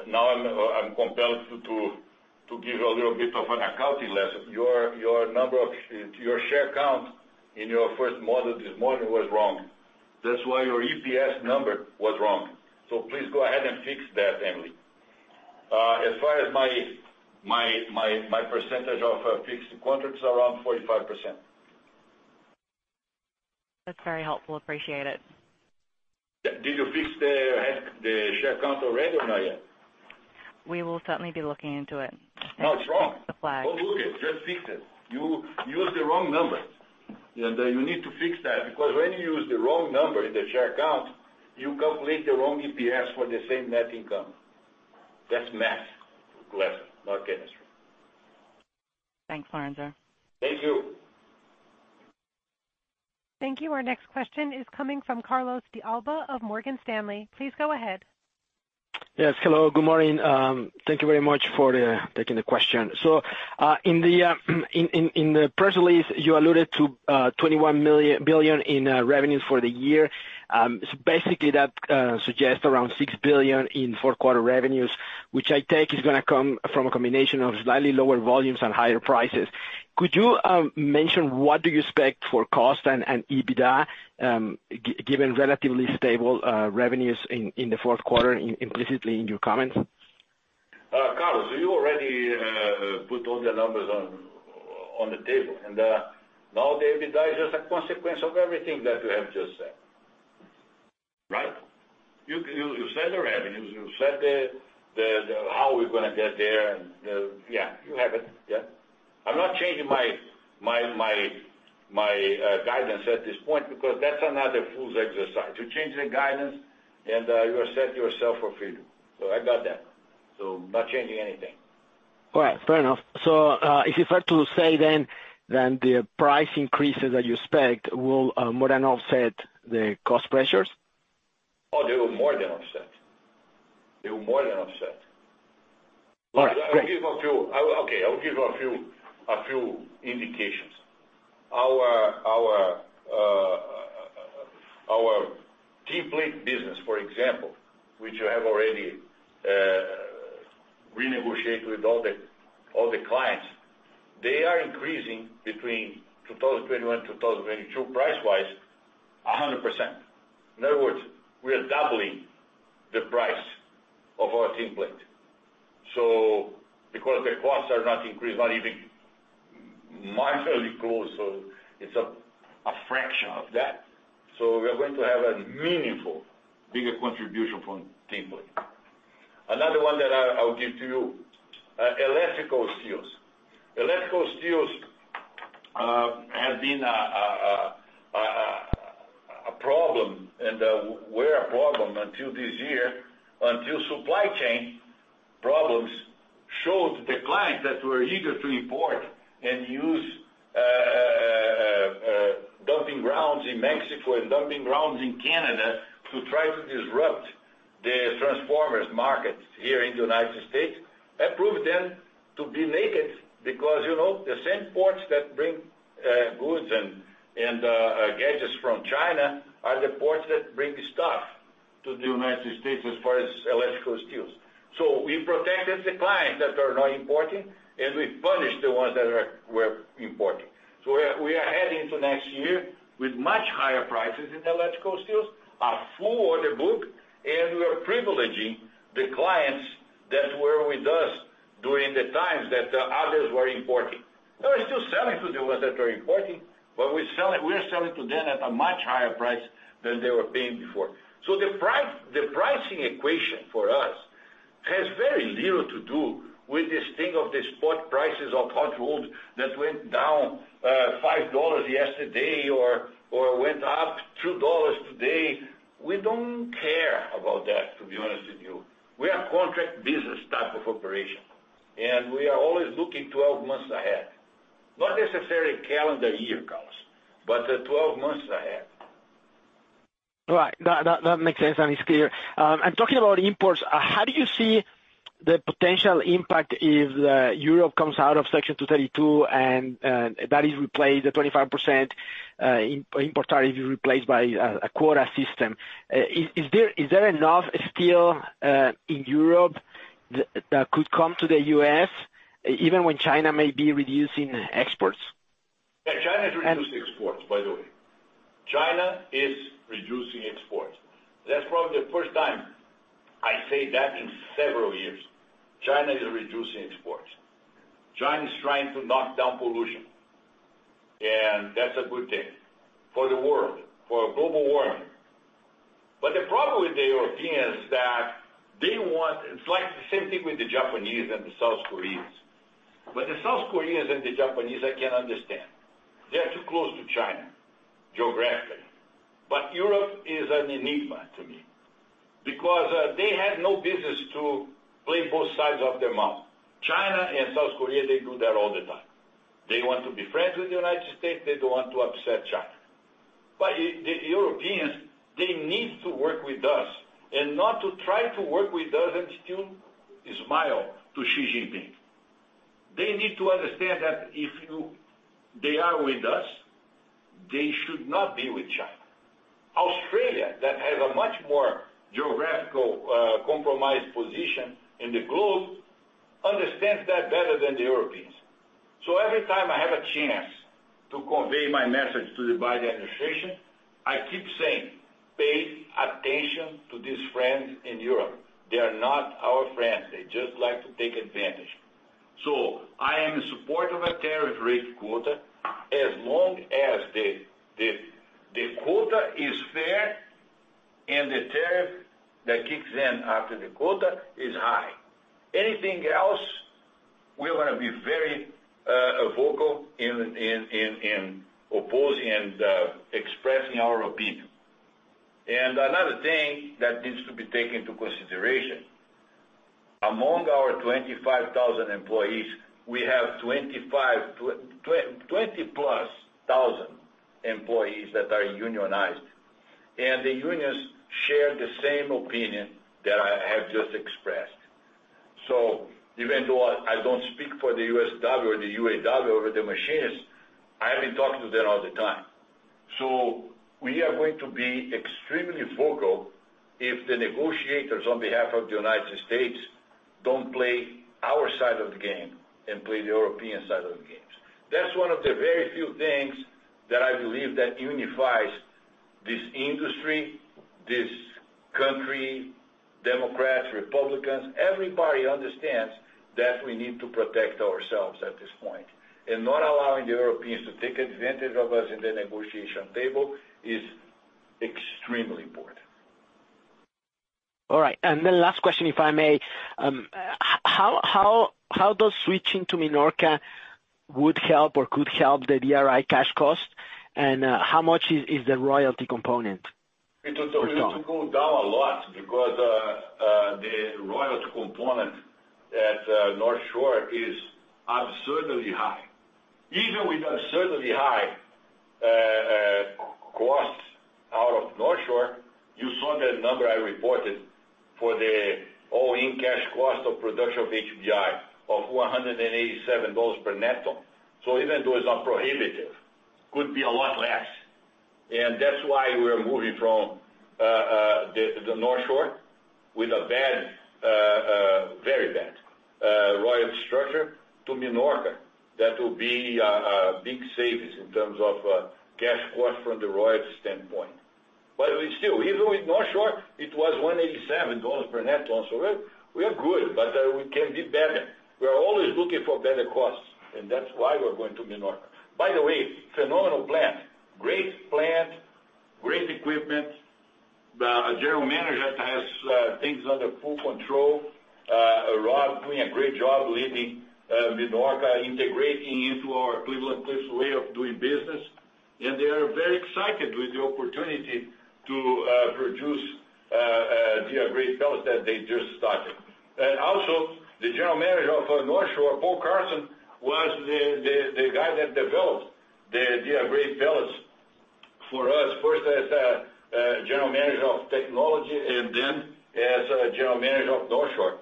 Speaker 2: now I'm compelled to give you a little bit of an accounting lesson. Your share count in your first model this morning was wrong. That's why your EPS number was wrong. Please go ahead and fix that, Emily. As far as my percentage of fixed contracts, around 45%.
Speaker 6: That's very helpful. Appreciate it.
Speaker 2: Did you fix the share count already or not yet?
Speaker 6: We will certainly be looking into it.
Speaker 2: No, it's wrong.
Speaker 6: Thanks for the flag.
Speaker 2: Don't look it. Just fix it. You used the wrong number. You need to fix that, because when you use the wrong number in the share count, you calculate the wrong EPS for the same net income. That's math lesson, not chemistry.
Speaker 6: Thanks, Lourenco.
Speaker 2: Thank you.
Speaker 1: Thank you. Our next question is coming from Carlos de Alba of Morgan Stanley. Please go ahead.
Speaker 7: Yes. Hello, good morning. Thank you very much for taking the question. In the press release, you alluded to $21 billion in revenue for the year. Basically that suggests around $6 billion in fourth quarter revenues, which I take is going to come from a combination of slightly lower volumes and higher prices. Could you mention what do you expect for cost and EBITDA, given relatively stable revenues in the fourth quarter implicitly in your comments?
Speaker 2: Carlos, you already put all the numbers on the table. Now the EBITDA is just a consequence of everything that you have just said. Right? You said the revenues. You said how we're going to get there. Yeah, you have it. Yeah. I'm not changing my guidance at this point because that's another fool's exercise. You change the guidance, you set yourself for failure. I got that. I'm not changing anything.
Speaker 7: Right. Fair enough. Is it fair to say that the price increases that you expect will more than offset the cost pressures?
Speaker 2: Oh, they will more than offset. They will more than offset.
Speaker 7: All right. Great.
Speaker 2: Okay, I will give a few indications. Our tin plate business, for example, which you have already renegotiated with all the clients, they are increasing between 2021, 2022 price-wise, 100%. In other words, we are doubling the price of our tin plate. The costs are not increased, not even marginally close, so it's a fraction of that. We are going to have a meaningful, bigger contribution from tin plate. Another one that I'll give to you, electrical steels. Electrical steels have been a problem and were a problem until this year, until supply chain problems showed the clients that were eager to import and use dumping grounds in Mexico and dumping grounds in Canada to try to disrupt the transformers market here in the U.S., and prove them to be naked, because the same ports that bring goods and gadgets from China are the ports that bring the stuff to the U.S. as far as electrical steels. We protected the clients that are not importing, and we punished the ones that were importing. We are heading into next year with much higher prices in electrical steels, a full order book, and we are privileging the clients that were with us during the times that the others were importing. We are still selling to the ones that are importing, but we are selling to them at a much higher price than they were paying before. The pricing equation for us has very little to do with this thing of the spot prices of hot rolled that went down $5 yesterday or went up $2 today. We don't care about that, to be honest with you. We are contract business type of operation, and we are always looking 12 months ahead. Not necessarily calendar year, Carlos, but the 11 months ahead.
Speaker 7: Right. That makes sense, and it's clear. Talking about imports, how do you see the potential impact if Europe comes out of Section 232 and that is replaced, the 25% import tariff is replaced by a quota system. Is there enough steel in Europe that could come to the U.S. even when China may be reducing exports?
Speaker 2: Yeah, China is reducing exports, by the way. China is reducing exports. That's probably the first time I say that in several years. China is reducing exports. China is trying to knock down pollution, that's a good thing for the world, for global warming. The problem with the Europeans that they want, it's like the same thing with the Japanese and the South Koreans. The South Koreans and the Japanese, I can understand. They are too close to China geographically. Europe is an enigma to me, because they have no business to play both sides of their mouth. China and South Korea, they do that all the time. They want to be friends with the United States. They don't want to upset China. The Europeans, they need to work with us and not to try to work with us and still smile to Xi Jinping. They need to understand that if they are with us, they should not be with China. Australia, that has a much more geographical compromised position in the globe, understands that better than the Europeans. Every time I have a chance to convey my message to the Biden administration, I keep saying, "Pay attention to these friends in Europe. They are not our friends. They just like to take advantage." I am in support of a tariff rate quota, as long as the quota is fair and the tariff that kicks in after the quota is high. Anything else, we're gonna be very vocal in opposing and expressing our opinion. Another thing that needs to be taken into consideration, among our 25,000 employees, we have 20-plus thousand employees that are unionized, and the unions share the same opinion that I have just expressed. Even though I don't speak for the USW or the UAW or the machinists, I have been talking to them all the time. We are going to be extremely vocal if the negotiators on behalf of the U.S. don't play our side of the game and play the European side of the games. That's one of the very few things that I believe that unifies this industry, this country, Democrats, Republicans, everybody understands that we need to protect ourselves at this point. Not allowing the Europeans to take advantage of us in the negotiation table is extremely important.
Speaker 7: All right. Last question, if I may. How does switching to Minorca would help or could help the DRI cash cost, and how much is the royalty component?
Speaker 2: It will go down a lot because the royalty component at Northshore is absurdly high. Even with absurdly high costs out of Northshore, you saw that number I reported for the all-in cash cost of production of HBI of $187 per net ton. Even though it's not prohibitive, could be a lot less. That's why we're moving from the Northshore with a very bad royalty structure to Minorca. That will be big savings in terms of cash cost from the royalty standpoint. Still, even with Northshore, it was $187 per net ton, so we are good, but we can be better. We are always looking for better costs, and that's why we're going to Minorca. By the way, phenomenal plant. Great plant, great equipment. The general manager has things under full control. Rob's doing a great job leading Minorca, integrating into our Cleveland-Cliffs way of doing business, and they are very excited with the opportunity to produce the grade pellets that they just started. Also, the general manager of North Shore, Paul Carlson, was the guy that developed the grade pellets for us, first as a general manager of technology, and then as general manager of North Shore.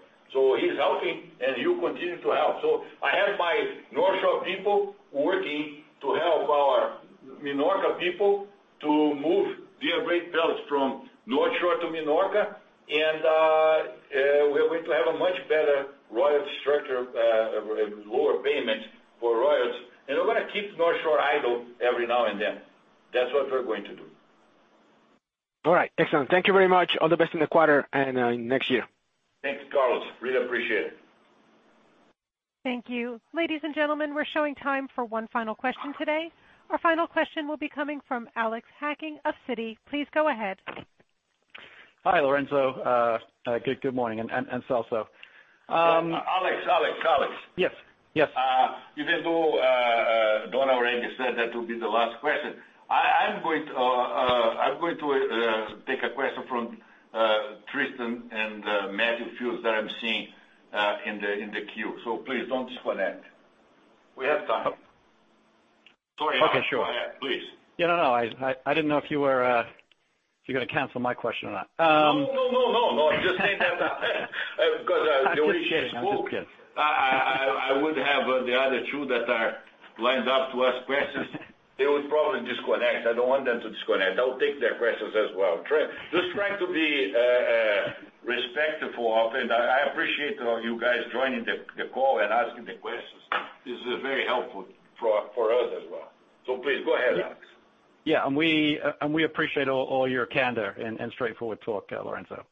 Speaker 2: He's helping, and he will continue to help. I have my North Shore people working to help our Minorca people to move the grade pellets from North Shore to Minorca, and we're going to have a much better royalty structure, lower payment for royalties. We're gonna keep North Shore idle every now and then. That's what we're going to do.
Speaker 7: All right. Excellent. Thank you very much. All the best in the quarter and next year.
Speaker 2: Thanks, Carlos. Really appreciate it.
Speaker 1: Thank you. Ladies and gentlemen, we're showing time for 1 final question today. Our final question will be coming from Alex Hacking of Citi. Please go ahead.
Speaker 8: Hi, Lourenco. Good morning, and Celso.
Speaker 2: Alex.
Speaker 8: Yes.
Speaker 2: Even though Donna already said that will be the last question, I'm going to take a question from Tristan and Matthew Fields that I'm seeing in the queue. Please don't disconnect. We have time. Sorry, Alex.
Speaker 8: Okay, sure.
Speaker 2: Go ahead, please.
Speaker 8: Yeah, no, I didn't know if you were gonna cancel my question or not.
Speaker 2: No, I'm just saying that because the way it's being booked-
Speaker 8: I'm just kidding.
Speaker 2: I would have the other two that are lined up to ask questions, they would probably disconnect. I don't want them to disconnect. I'll take their questions as well. Just trying to be respectful of, and I appreciate you guys joining the call and asking the questions. This is very helpful for us as well. Please, go ahead, Alex.
Speaker 8: We appreciate all your candor and straightforward talk, Lourenco.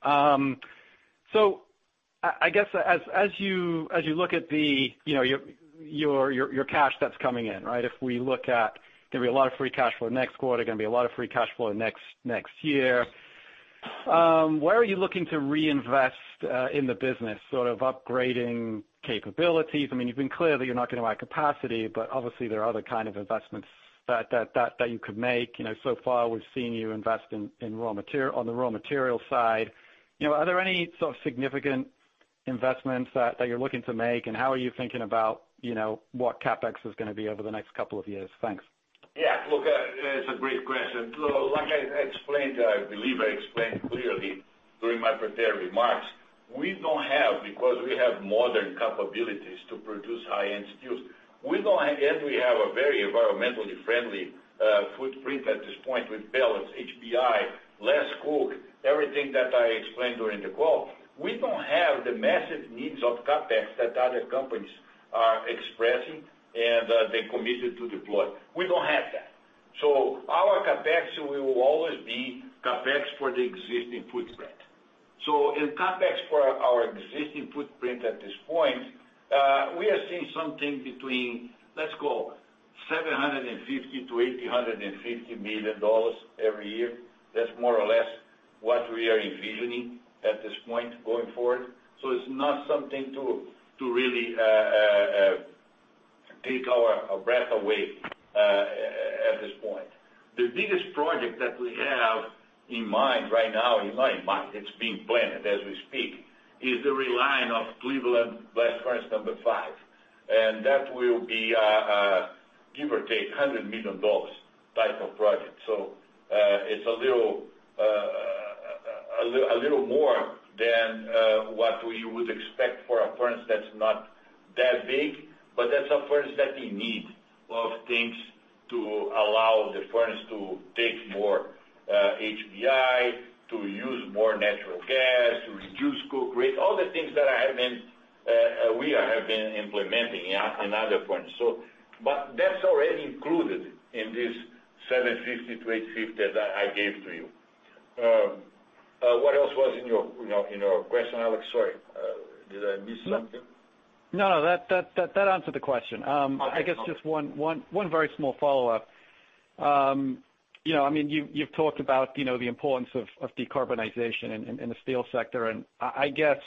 Speaker 8: I guess as you look at your cash that's coming in, if we look at there will be a lot of free cash flow next quarter, gonna be a lot of free cash flow next year. Where are you looking to reinvest in the business, sort of upgrading capabilities? You've been clear that you're not gonna add capacity, but obviously there are other kind of investments that you could make. So far, we've seen you invest on the raw material side. Are there any sort of significant investments that you're looking to make, and how are you thinking about what CapEx is gonna be over the next couple of years? Thanks.
Speaker 2: Yeah, look, that's a great question. Like I explained, I believe I explained clearly during my prepared remarks, we don't have, because we have modern capabilities to produce high-end steels. We have a very environmentally friendly footprint at this point with pellets, HBI, less coke, everything that I explained during the call. We don't have the massive needs of CapEx that other companies are expressing and they committed to deploy. We don't have that. Our CapEx will always be CapEx for the existing footprint. In CapEx for our existing footprint at this point, we are seeing something between, let's go $750 million-$850 million every year. That's more or less what we are envisioning at this point going forward. It's not something to really take our breath away at this point. The biggest project that we have in mind right now, not in mind, it's being planned as we speak, is the reline of Cleveland blast furnace No. 5. That will be, give or take, $100 million type of project. It's a little more than what you would expect for a furnace that's not that big, but that's a furnace that we need a lot of things to allow the furnace to take more HBI, to use more natural gas, to reduce coke rate, all the things that we have been implementing in other furnaces. That's already included in this $750-$850 that I gave to you. What else was in your question, Alex? Sorry, did I miss something?
Speaker 8: No, that answered the question.
Speaker 2: Okay.
Speaker 8: I guess just one very small follow-up. You've talked about the importance of decarbonization in the steel sector, and I guess,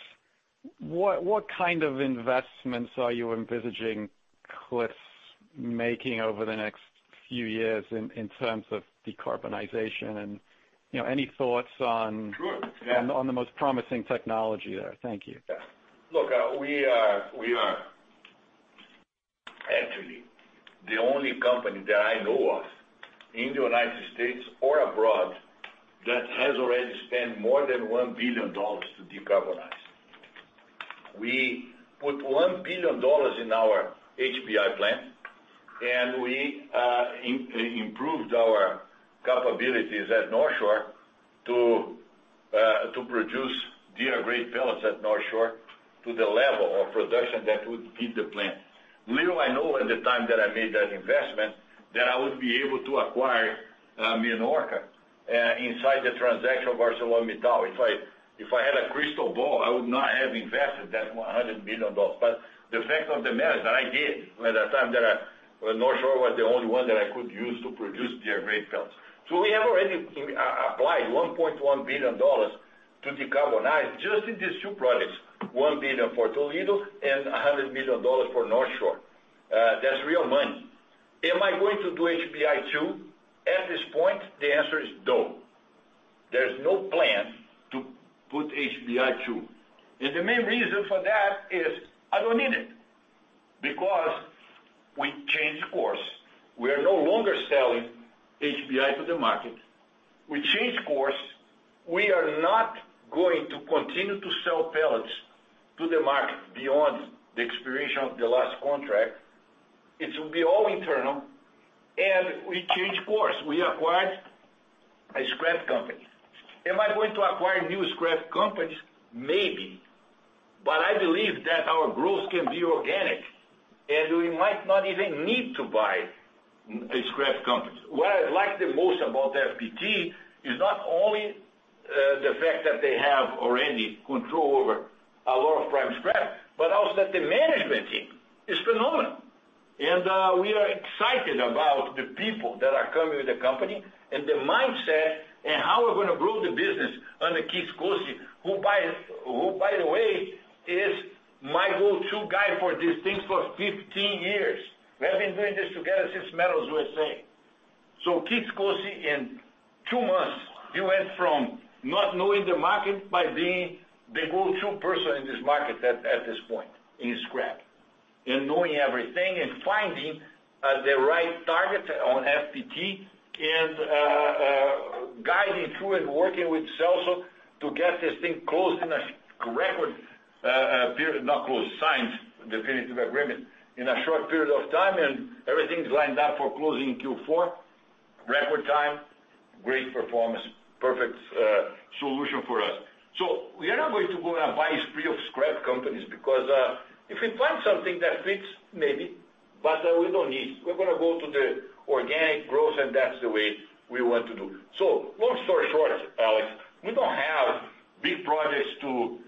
Speaker 8: what kind of investments are you envisaging Cliffs making over the next few years in terms of decarbonization?
Speaker 2: Sure, yeah.
Speaker 8: on the most promising technology there? Thank you.
Speaker 2: Yeah. Look, we are actually the only company that I know of in the United States or abroad that has already spent more than $1 billion to decarbonize. We put $1 billion in our HBI plant, we improved our capabilities at Northshore to produce DR-grade pellets at Northshore to the level of production that would feed the plant. Little I knew at the time that I made that investment, that I would be able to acquire Minorca inside the transaction of ArcelorMittal. If I had a crystal ball, I would not have invested that $100 million. The fact of the matter is that I did by the time that Northshore was the only one that I could use to produce DR-grade pellets. We have already applied $1.1 billion to decarbonize just in these two projects, $1 billion for Toledo and $100 million for Northshore. That's real money. Am I going to do HBI2? At this point, the answer is no. There's no plan to put HBI2. The main reason for that is I don't need it, because we changed course. We are no longer selling HBI to the market. We changed course. We are not going to continue to sell pellets to the market beyond the expiration of the last contract. It will be all internal, and we changed course. We acquired a scrap company. Am I going to acquire new scrap companies? Maybe. I believe that our growth can be organic, and we might not even need to buy a scrap company. What I like the most about FPT is not only the fact that they have already control over a lot of prime scrap, but also that the management team is phenomenal. We are excited about the people that are coming with the company, and the mindset, and how we're going to grow the business under Keith Koci, who by the way, is my go-to guy for these things for 15 years. We have been doing this together since Metals USA. Keith Koci, in two months, he went from not knowing the market by being the go-to person in this market at this point in scrap, and knowing everything, and finding the right target on FPT, and guiding through and working with Celso to get this thing signed definitive agreement in a short period of time, and everything's lined up for closing in Q4, record time, great performance, perfect solution for us. We are not going to go on a buying spree of scrap companies because, if we find something that fits, maybe, but we don't need. We're going to go to the organic growth, and that's the way we want to do. Long story short, Alex, we don't have big projects to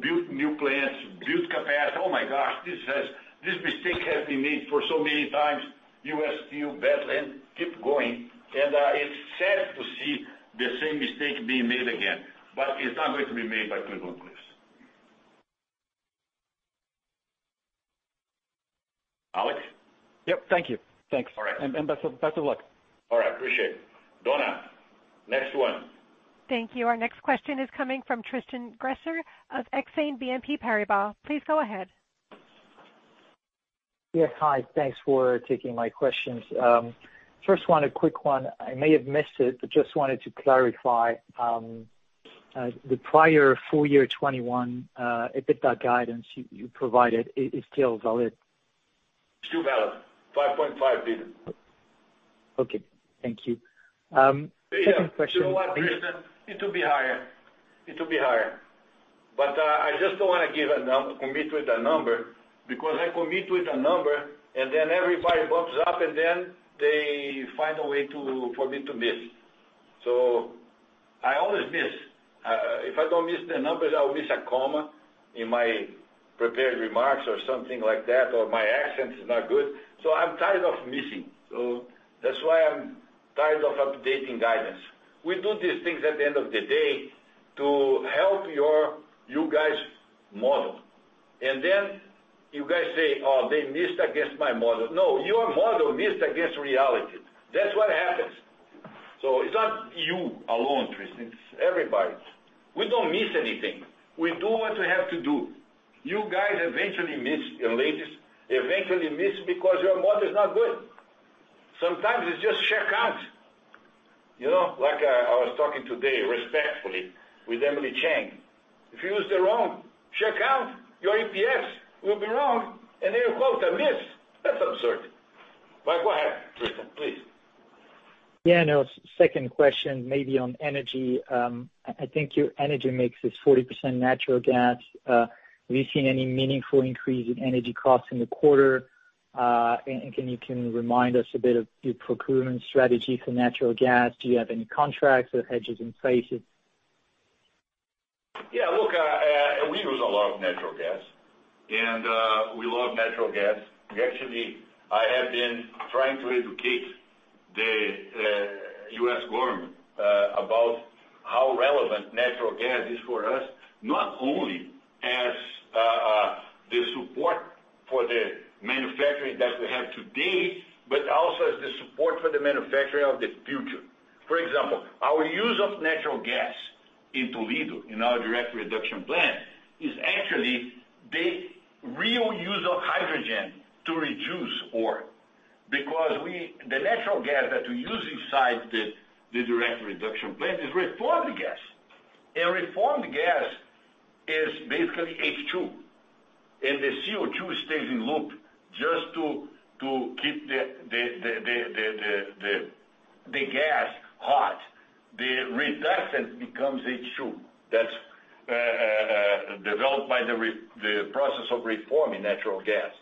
Speaker 2: build new plants, build capacity. Oh my gosh, this mistake has been made for so many times. U.S. Steel, Bethlehem kept going, and it's sad to see the same mistake being made again. It's not going to be made by Cleveland-Cliffs. Alex?
Speaker 8: Yep, thank you. Thanks.
Speaker 2: All right.
Speaker 8: Best of luck.
Speaker 2: All right, appreciate it. Donna, next one.
Speaker 1: Thank you. Our next question is coming from Tristan Gresser of Exane BNP Paribas. Please go ahead.
Speaker 9: Yes, hi. Thanks for taking my questions. First one, a quick one. I may have missed it, but just wanted to clarify, the prior full year 2021 EBITDA guidance you provided is still valid?
Speaker 2: Still valid, $5.5 billion.
Speaker 9: Okay, thank you. Second question.
Speaker 2: You know what, Tristan? It will be higher. I just don't want to commit with a number because I commit with a number and then everybody bumps up and then they find a way for me to miss. I always miss. If I don't miss the numbers, I'll miss a comma in my prepared remarks or something like that, or my accent is not good. I'm tired of missing. That's why I'm tired of updating guidance. We do these things at the end of the day to help you guys model. Then you guys say, Oh, they missed against my model. No, your model missed against reality. That's what happens. It's not you alone, Tristan. It's everybody. We don't miss anything. We do what we have to do. You guys eventually miss, and ladies eventually miss because your model is not good. Sometimes it's just share count. Like I was talking today respectfully with Emily Chieng. If you use the wrong share count, your EPS will be wrong and then you call it a miss. That's absurd. Go ahead, Tristan, please.
Speaker 9: Yeah, no. Second question maybe on energy. I think your energy mix is 40% natural gas. Have you seen any meaningful increase in energy costs in the quarter? Can you remind us a bit of your procurement strategy for natural gas? Do you have any contracts or hedges in place?
Speaker 2: Yeah, look, we use a lot of natural gas and we love natural gas. Actually I have been trying to educate the U.S. government about how relevant natural gas is for us, not only as the support for the manufacturing that we have today, but also as the support for the manufacturing of the future. For example, our use of natural gas in Toledo, in our direct reduction plant, is actually the real use of hydrogen to reduce ore. The natural gas that we use inside the direct reduction plant is reformed gas. Reformed gas is basically H2, and the CO2 stays in loop just to keep the gas hot. The reductant becomes H2. That's developed by the process of reforming natural gas.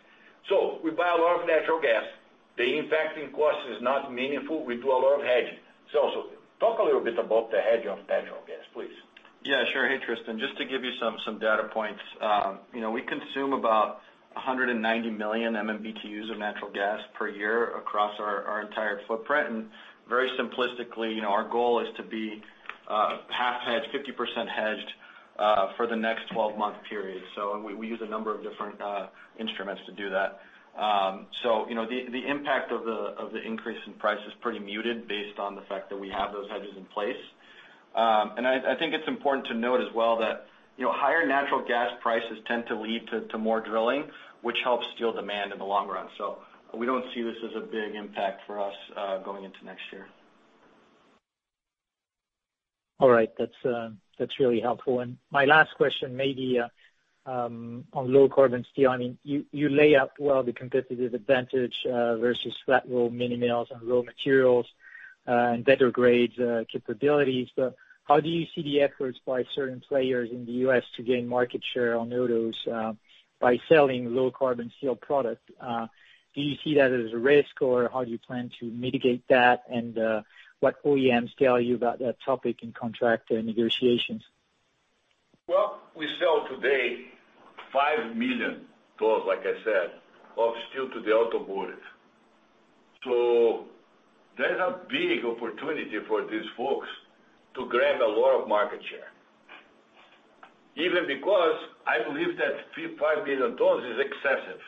Speaker 2: We buy a lot of natural gas. The impact in cost is not meaningful. We do a lot of hedging. Celso, talk a little bit about the hedge of natural gas, please.
Speaker 3: Sure. Hey, Tristan. Just to give you some data points. We consume about 190 million MMBtu of natural gas per year across our entire footprint. Very simplistically, our goal is to be half hedged, 50% hedged, for the next 12-month period. We use a number of different instruments to do that. The impact of the increase in price is pretty muted based on the fact that we have those hedges in place. I think it's important to note as well that higher natural gas prices tend to lead to more drilling, which helps steel demand in the long run. We don't see this as a big impact for us, going into next year.
Speaker 9: All right. That's really helpful. My last question may be on low carbon steel. You lay out well the competitive advantage versus flat-rolled mini mills and raw materials, and better grades capabilities. How do you see the efforts by certain players in the U.S. to gain market share on autos, by selling low carbon steel product? Do you see that as a risk, or how do you plan to mitigate that? What OEMs tell you about that topic in contract negotiations?
Speaker 2: Well, we sell today five million tons, like I said, of steel to the auto builders. There's a big opportunity for these folks to grab a lot of market share. Even because I believe that five million tons is excessive.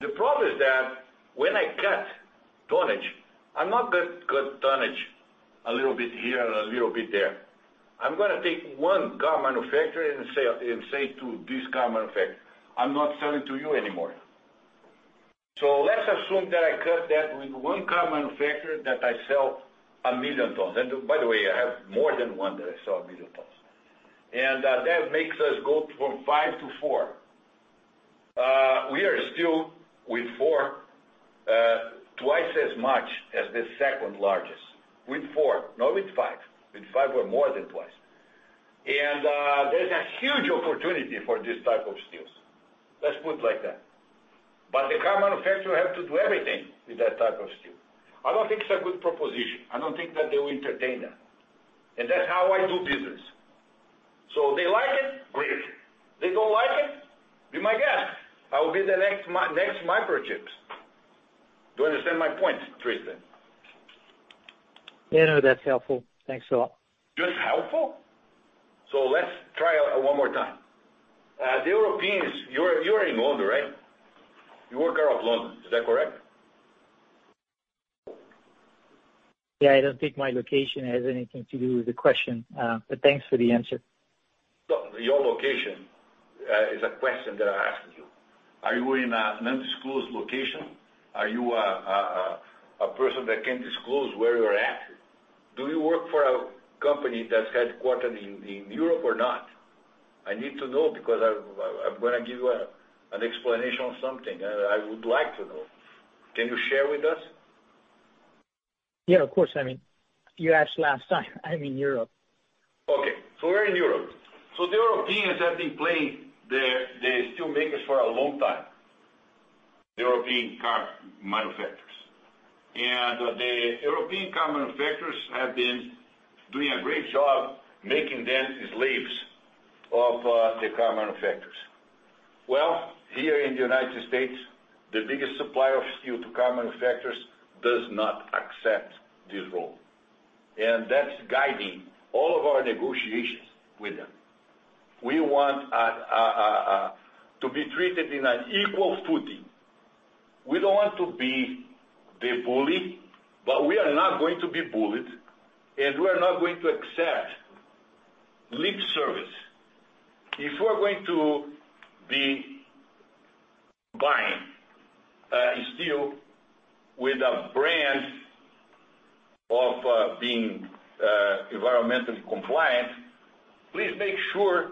Speaker 2: The problem is that when I cut tonnage, I'm not going to cut tonnage a little bit here and a little bit there. I'm gonna take one car manufacturer and say to this car manufacturer, I'm not selling to you anymore. Let's assume that I cut that with one car manufacturer, that I sell 1 million tons. By the way, I have more than one that I sell one million tons. That makes us go from five to four. We are still, with four, twice as much as the second-largest. With four, not with five. With five, we're more than twice. There's a huge opportunity for this type of steels. Let's put it like that. The car manufacturer will have to do everything with that type of steel. I don't think it's a good proposition. I don't think that they will entertain that. That's how I do business. They like it, great. They don't like it, be my guest. I will be the next microchips. Do you understand my point, Tristan?
Speaker 9: Yeah, no, that's helpful. Thanks a lot.
Speaker 2: Just helpful? Let's try one more time. The Europeans, you're in London, right? You work out of London, is that correct?
Speaker 9: Yeah, I don't think my location has anything to do with the question. Thanks for the answer.
Speaker 2: No, your location is a question that I'm asking you. Are you in an undisclosed location? Are you a person that can't disclose where you're at? Do you work for a company that's headquartered in Europe or not? I need to know because I'm going to give you an explanation on something, and I would like to know. Can you share with us?
Speaker 9: Yeah, of course. I mean, you asked last time. I'm in Europe.
Speaker 2: Okay. You're in Europe. The Europeans have been playing the steel makers for a long time. The European car manufacturers. The European car manufacturers have been doing a great job making them slaves of the car manufacturers. Here in the U.S., the biggest supplier of steel to car manufacturers does not accept this role. That's guiding all of our negotiations with them. We want to be treated in an equal footing. We don't want to be the bully, but we are not going to be bullied, and we are not going to accept lip service. If we're going to be buying steel with a brand of being environmentally compliant, please make sure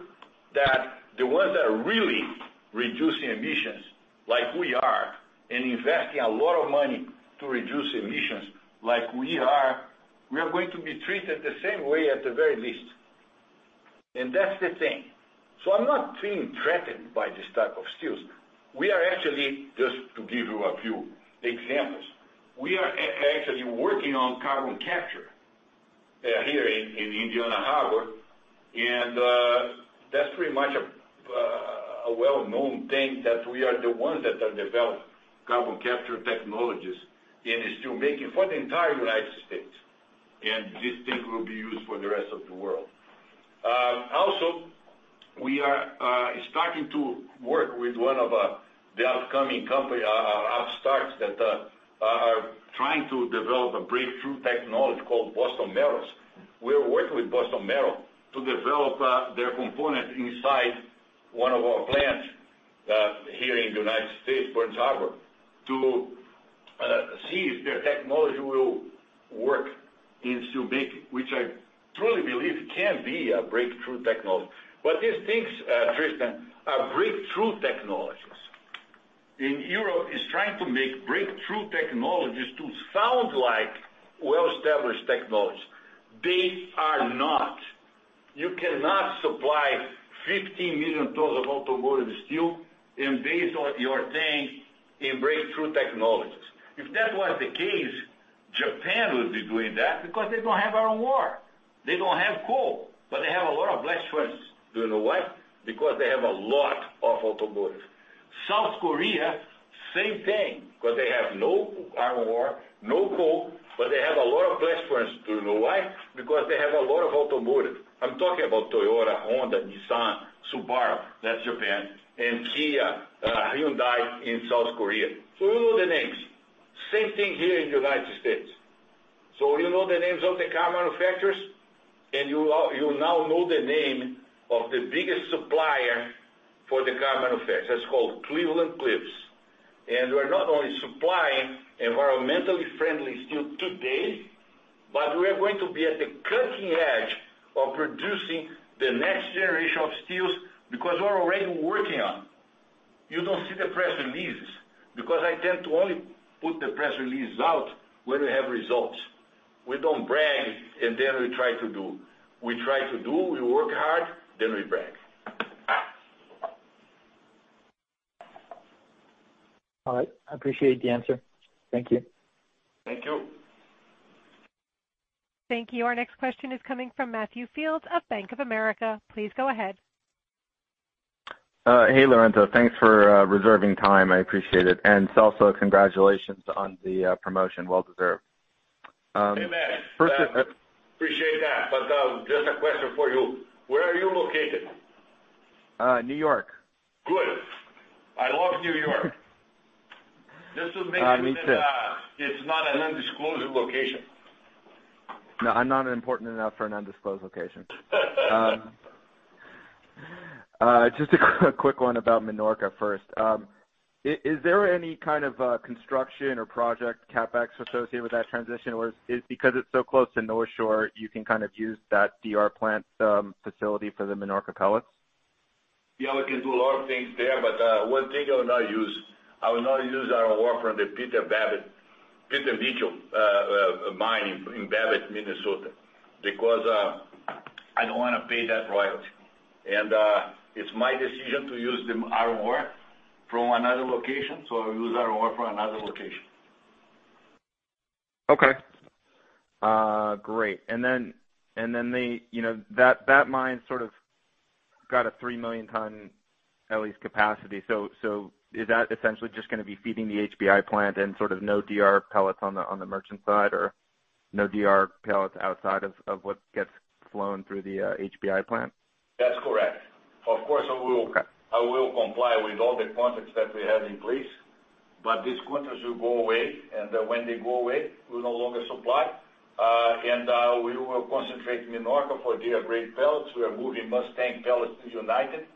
Speaker 2: that the ones that are really reducing emissions, like we are, and investing a lot of money to reduce emissions, like we are, we are going to be treated the same way at the very least. That's the thing. I'm not feeling threatened by this type of steels. We are actually, just to give you a few examples, we are actually working on carbon capture here in Indiana Harbor. That's pretty much a well-known thing, that we are the ones that have developed carbon capture technologies in steelmaking for the entire U.S. This thing will be used for the rest of the world. We are starting to work with one of the upcoming company upstarts that are trying to develop a breakthrough technology called Boston Metal. We are working with Boston Metal to develop their component inside one of our plants here in the United States, Burns Harbor, to see if their technology will work in steel making, which I truly believe can be a breakthrough technology. These things, Tristan, are breakthrough technologies, and Europe is trying to make breakthrough technologies to sound like well-established technologies. They are not. You cannot supply 15 million tons of automotive steel and base your thing in breakthrough technologies. If that was the case, Japan would be doing that because they don't have iron ore. They don't have coal. They have a lot of blast furnace. Do you know why? Because they have a lot of automotive. South Korea, same thing. Because they have no iron ore, no coal, but they have a lot of blast furnace. Do you know why? Because they have a lot of automotive. I'm talking about Toyota, Honda, Nissan, Subaru, that's Japan. Kia, Hyundai in South Korea. You know the names. Same thing here in the U.S. You know the names of the car manufacturers, and you now know the name of the biggest supplier for the car manufacturers. That's called Cleveland-Cliffs. We're not only supplying environmentally friendly steel today, but we are going to be at the cutting edge of producing the next generation of steels, because we're already working on them. You don't see the press releases, because I tend to only put the press releases out when we have results. We don't brag and then we try to do. We work hard, then we brag.
Speaker 9: All right. I appreciate the answer. Thank you.
Speaker 2: Thank you.
Speaker 1: Thank you. Our next question is coming from Matthew Fields of Bank of America. Please go ahead.
Speaker 10: Hey, Lourenço. Thanks for reserving time, I appreciate it. Also, congratulations on the promotion. Well deserved.
Speaker 2: Hey, Matt. Appreciate that. Just a question for you. Where are you located?
Speaker 10: New York.
Speaker 2: Good. I love New York.
Speaker 10: Me too.
Speaker 2: Just to make sure that it's not an undisclosed location.
Speaker 10: I'm not important enough for an undisclosed location. Just a quick one about Minorca first. Is there any kind of construction or project CapEx associated with that transition? Is it because it's so close to Northshore, you can kind of use that DR plant facility for the Minorca pellets?
Speaker 2: Yeah, we can do a lot of things there, one thing I will not use. I will not use iron ore from the Peter Mitchell Mine in Babbitt, Minnesota, because I don't want to pay that royalty. It's my decision to use the iron ore from another location, I'll use iron ore from another location.
Speaker 10: Okay. Great. That mine sort of got a three million ton at least capacity. Is that essentially just gonna be feeding the HBI plant and sort of no DR pellets on the merchant side? No DR pellets outside of what gets flown through the HBI plant?
Speaker 2: That's correct.
Speaker 10: Okay
Speaker 2: I will comply with all the contracts that we have in place, but these contracts will go away. When they go away, we'll no longer supply. We will concentrate Minorca for DR-grade pellets. We are moving Mustang pellets to United,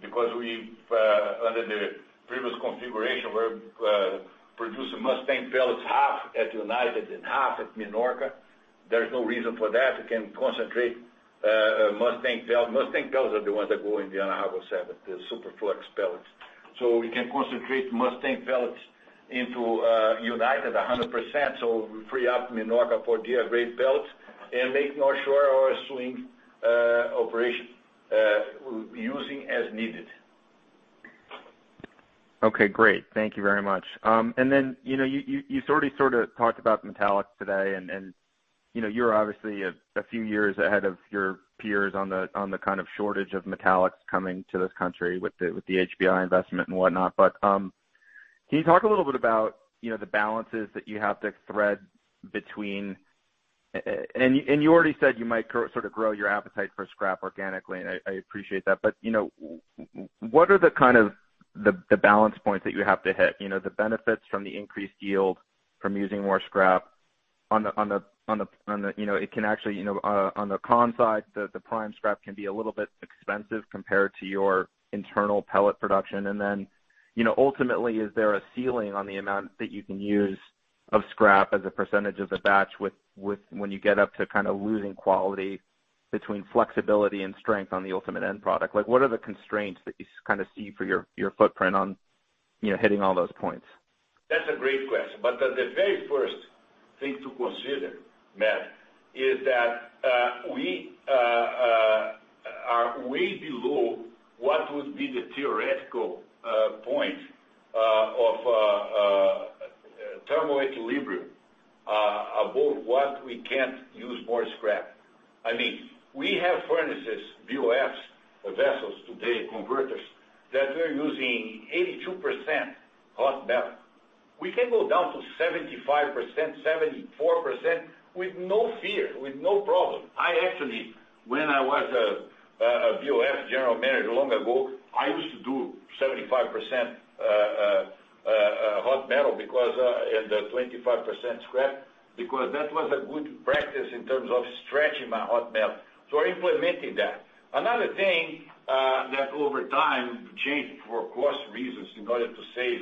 Speaker 2: because under the previous configuration, we were producing Mustang pellets half at United and half at Minorca. There's no reason for that. We can concentrate Mustang pellets. Mustang pellets are the ones that go in the Indiana Harbor No. 7, the superflux pellets. We can concentrate Mustang pellets into United 100%, so we free up Minorca for DR-grade pellets and make North Shore our swing operation, using as needed.
Speaker 10: Okay, great. Thank you very much. Then, you sort of talked about metallics today and you're obviously a few years ahead of your peers on the kind of shortage of metallics coming to this country with the HBI investment and whatnot. Can you talk a little bit about the balances that you have to thread. You already said you might sort of grow your appetite for scrap organically, and I appreciate that. What are the kind of balance points that you have to hit. The benefits from the increased yield from using more scrap. It can actually, on the con side, the prime scrap can be a little bit expensive compared to your internal pellet production. Ultimately, is there a ceiling on the amount that you can use of scrap as a percentage of the batch, when you get up to losing quality between flexibility and strength on the ultimate end product? What are the constraints that you see for your footprint on hitting all those points?
Speaker 2: That's a great question. The very first thing to consider, Matt, is that we're way below what would be the theoretical point of thermal equilibrium above what we can't use more scrap. We have furnaces, BOFs, vessels today, converters, that we're using 82% hot metal. We can go down to 75%, 74% with no fear, with no problem. I actually, when I was a BOF general manager long ago, I used to do 75% hot metal and then 25% scrap, because that was a good practice in terms of stretching my hot metal. We're implementing that. Another thing that over time changed for cost reasons in order to save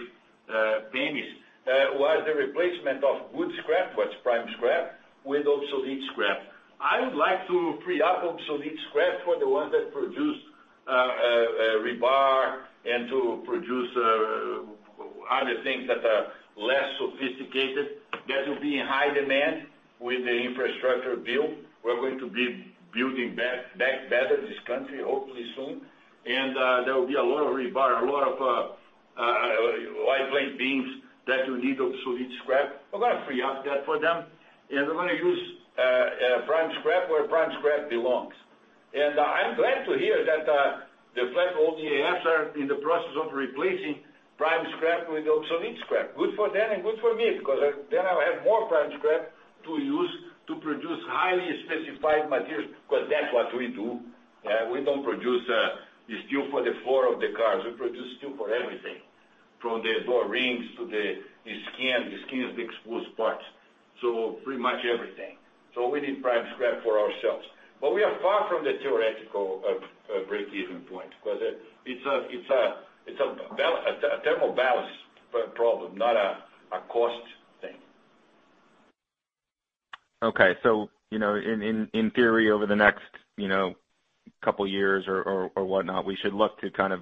Speaker 2: pennies, was the replacement of good scrap, what's prime scrap, with obsolete scrap. I would like to free up obsolete scrap for the ones that produce rebar and to produce other things that are less sophisticated, that will be in high demand with the infrastructure build. We're going to be building back better this country, hopefully soon. There will be a lot of rebar, a lot of wide plate beams that you need obsolete scrap. We're going to free up that for them, and we're going to use prime scrap where prime scrap belongs. I'm glad to hear that the flat-rolled EAFs are in the process of replacing prime scrap with obsolete scrap. Good for them and good for me, because then I'll have more prime scrap to use to produce highly specified materials, because that's what we do. We don't produce the steel for the floor of the cars. We produce steel for everything, from the door rings to the skins, the skins of the exposed parts. Pretty much everything. We need prime scrap for ourselves. We are far from the theoretical break-even point, because it's a thermal balance problem, not a cost thing.
Speaker 10: Okay. In theory, over the next couple of years or whatnot, we should look to kind of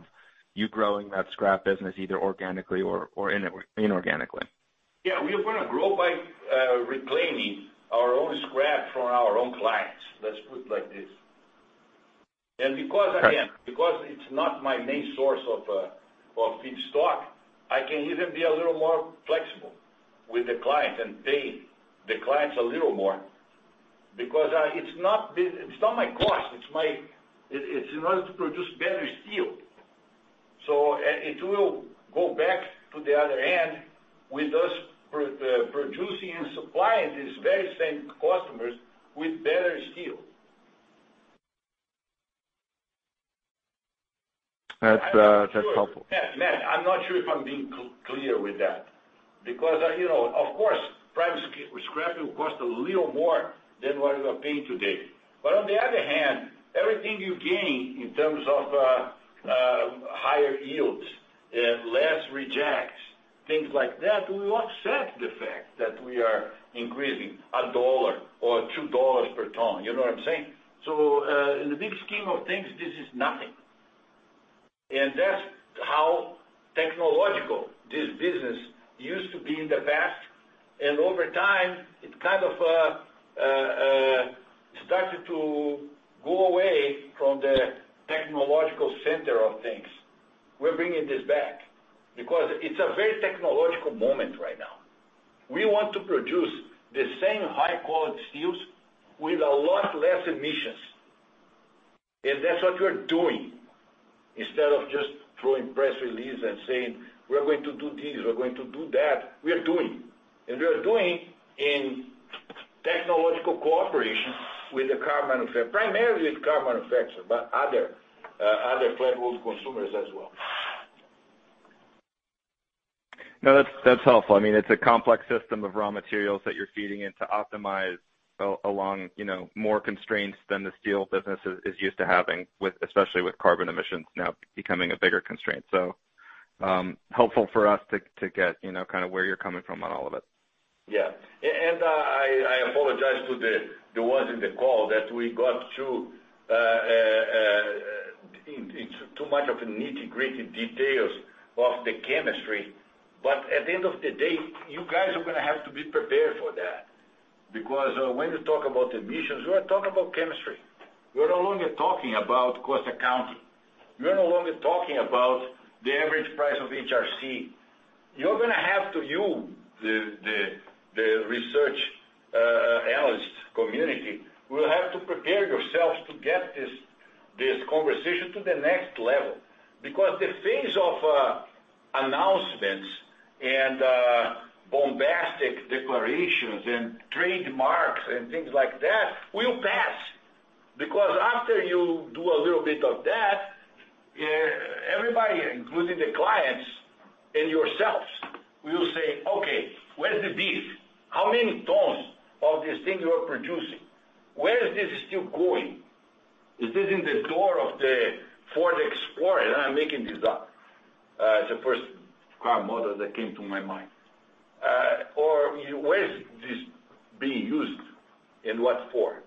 Speaker 10: you growing that scrap business either organically or inorganically.
Speaker 2: Yeah. We are going to grow by reclaiming our own scrap from our own clients. Let's put it like this.
Speaker 10: Okay
Speaker 2: It's not my main source of feedstock, I can even be a little more flexible with the client and pay the clients a little more. It's not my cost, it's in order to produce better steel. It will go back to the other end with us producing and supplying these very same customers with better steel.
Speaker 10: That's helpful.
Speaker 2: Matt, I'm not sure if I'm being clear with that. Of course, prime scrap will cost a little more than what you are paying today. On the other hand, everything you gain in terms of higher yields and less rejects, things like that, will offset the fact that we are increasing $1 or $2 per ton. You know what I'm saying? In the big scheme of things, this is nothing. That's how technological this business used to be in the past. Over time, it kind of started to go away from the technological center of things. We're bringing this back because it's a very technological moment right now. We want to produce the same high-quality steels with a lot less emissions. That's what we're doing. Instead of just throwing press release and saying, We're going to do this, we're going to do that. We are doing. We are doing in technological cooperation with the car manufacturer, primarily with car manufacturer, but other flat-rolled consumers as well.
Speaker 10: No, that's helpful. It's a complex system of raw materials that you're feeding in to optimize along more constraints than the steel business is used to having, especially with carbon emissions now becoming a bigger constraint. Helpful for us to get kind of where you're coming from on all of it.
Speaker 2: Yeah. I apologize to the ones in the call that we got too much of nitty-gritty details of the chemistry. At the end of the day, you guys are going to have to be prepared for that. When you talk about emissions, we are talking about chemistry. We are no longer talking about cost accounting. We are no longer talking about the average price of HRC. You're going to have to, you, the research analyst community, will have to prepare yourselves to get this conversation to the next level. The phase of announcements and bombastic declarations and trademarks and things like that will pass. After you do a little bit of that, everybody, including the clients and yourselves, will say, Okay, where's the beef? How many tons of this thing you are producing? Where is this steel going? Is this in the door of the Ford Explorer? I'm making this up. It's the first car model that came to my mind. Where is this being used, and what for?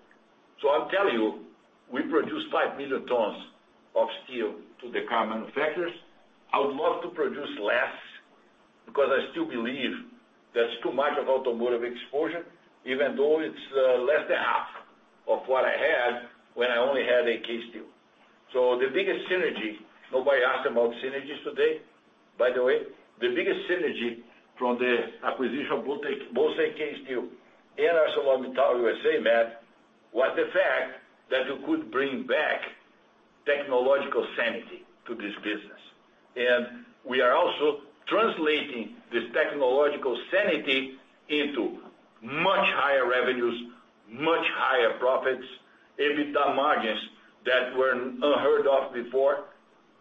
Speaker 2: I'll tell you, we produce five million tons of steel to the car manufacturers. I would love to produce less because I still believe that's too much of automotive exposure, even though it's less than half of what I had when I only had AK Steel. The biggest synergy, nobody asked about synergies today, by the way, the biggest synergy from the acquisition of both AK Steel and ArcelorMittal USA, Matt, was the fact that you could bring back technological sanity to this business. We are also translating this technological sanity into much higher revenues, much higher profits, EBITDA margins that were unheard of before.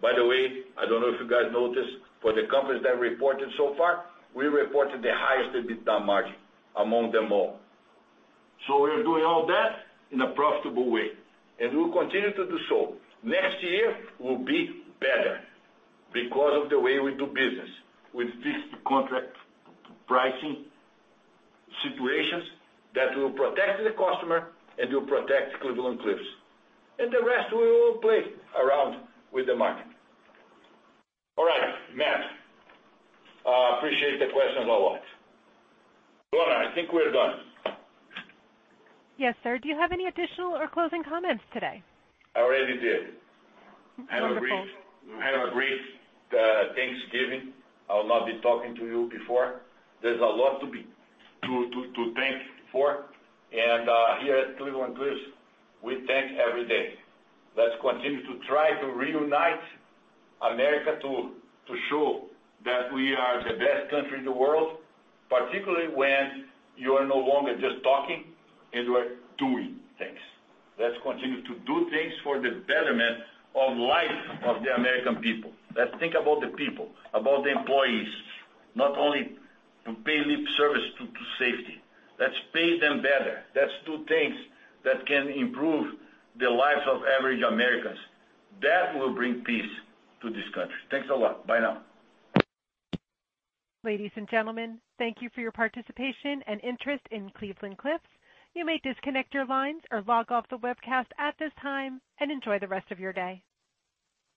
Speaker 2: I don't know if you guys noticed, for the companies that reported so far, we reported the highest EBITDA margin among them all. We are doing all that in a profitable way, and we'll continue to do so. Next year will be better because of the way we do business, with fixed contract pricing situations that will protect the customer and will protect Cleveland-Cliffs. The rest will play around with the market. All right, Matt, appreciate the questions a lot. Donna, I think we're done.
Speaker 1: Yes, sir. Do you have any additional or closing comments today?
Speaker 2: I already did.
Speaker 1: Wonderful.
Speaker 2: Have a great Thanksgiving. I'll not be talking to you before. There's a lot to thank for, and here at Cleveland-Cliffs, we thank every day. Let's continue to try to reunite America to show that we are the best country in the world, particularly when you are no longer just talking and we're doing things. Let's continue to do things for the betterment of life of the American people. Let's think about the people, about the employees, not only to pay lip service to safety. Let's pay them better. Let's do things that can improve the lives of average Americans. That will bring peace to this country. Thanks a lot. Bye now.
Speaker 1: Ladies and gentlemen, thank you for your participation and interest in Cleveland-Cliffs. You may disconnect your lines or log off the webcast at this time, and enjoy the rest of your day.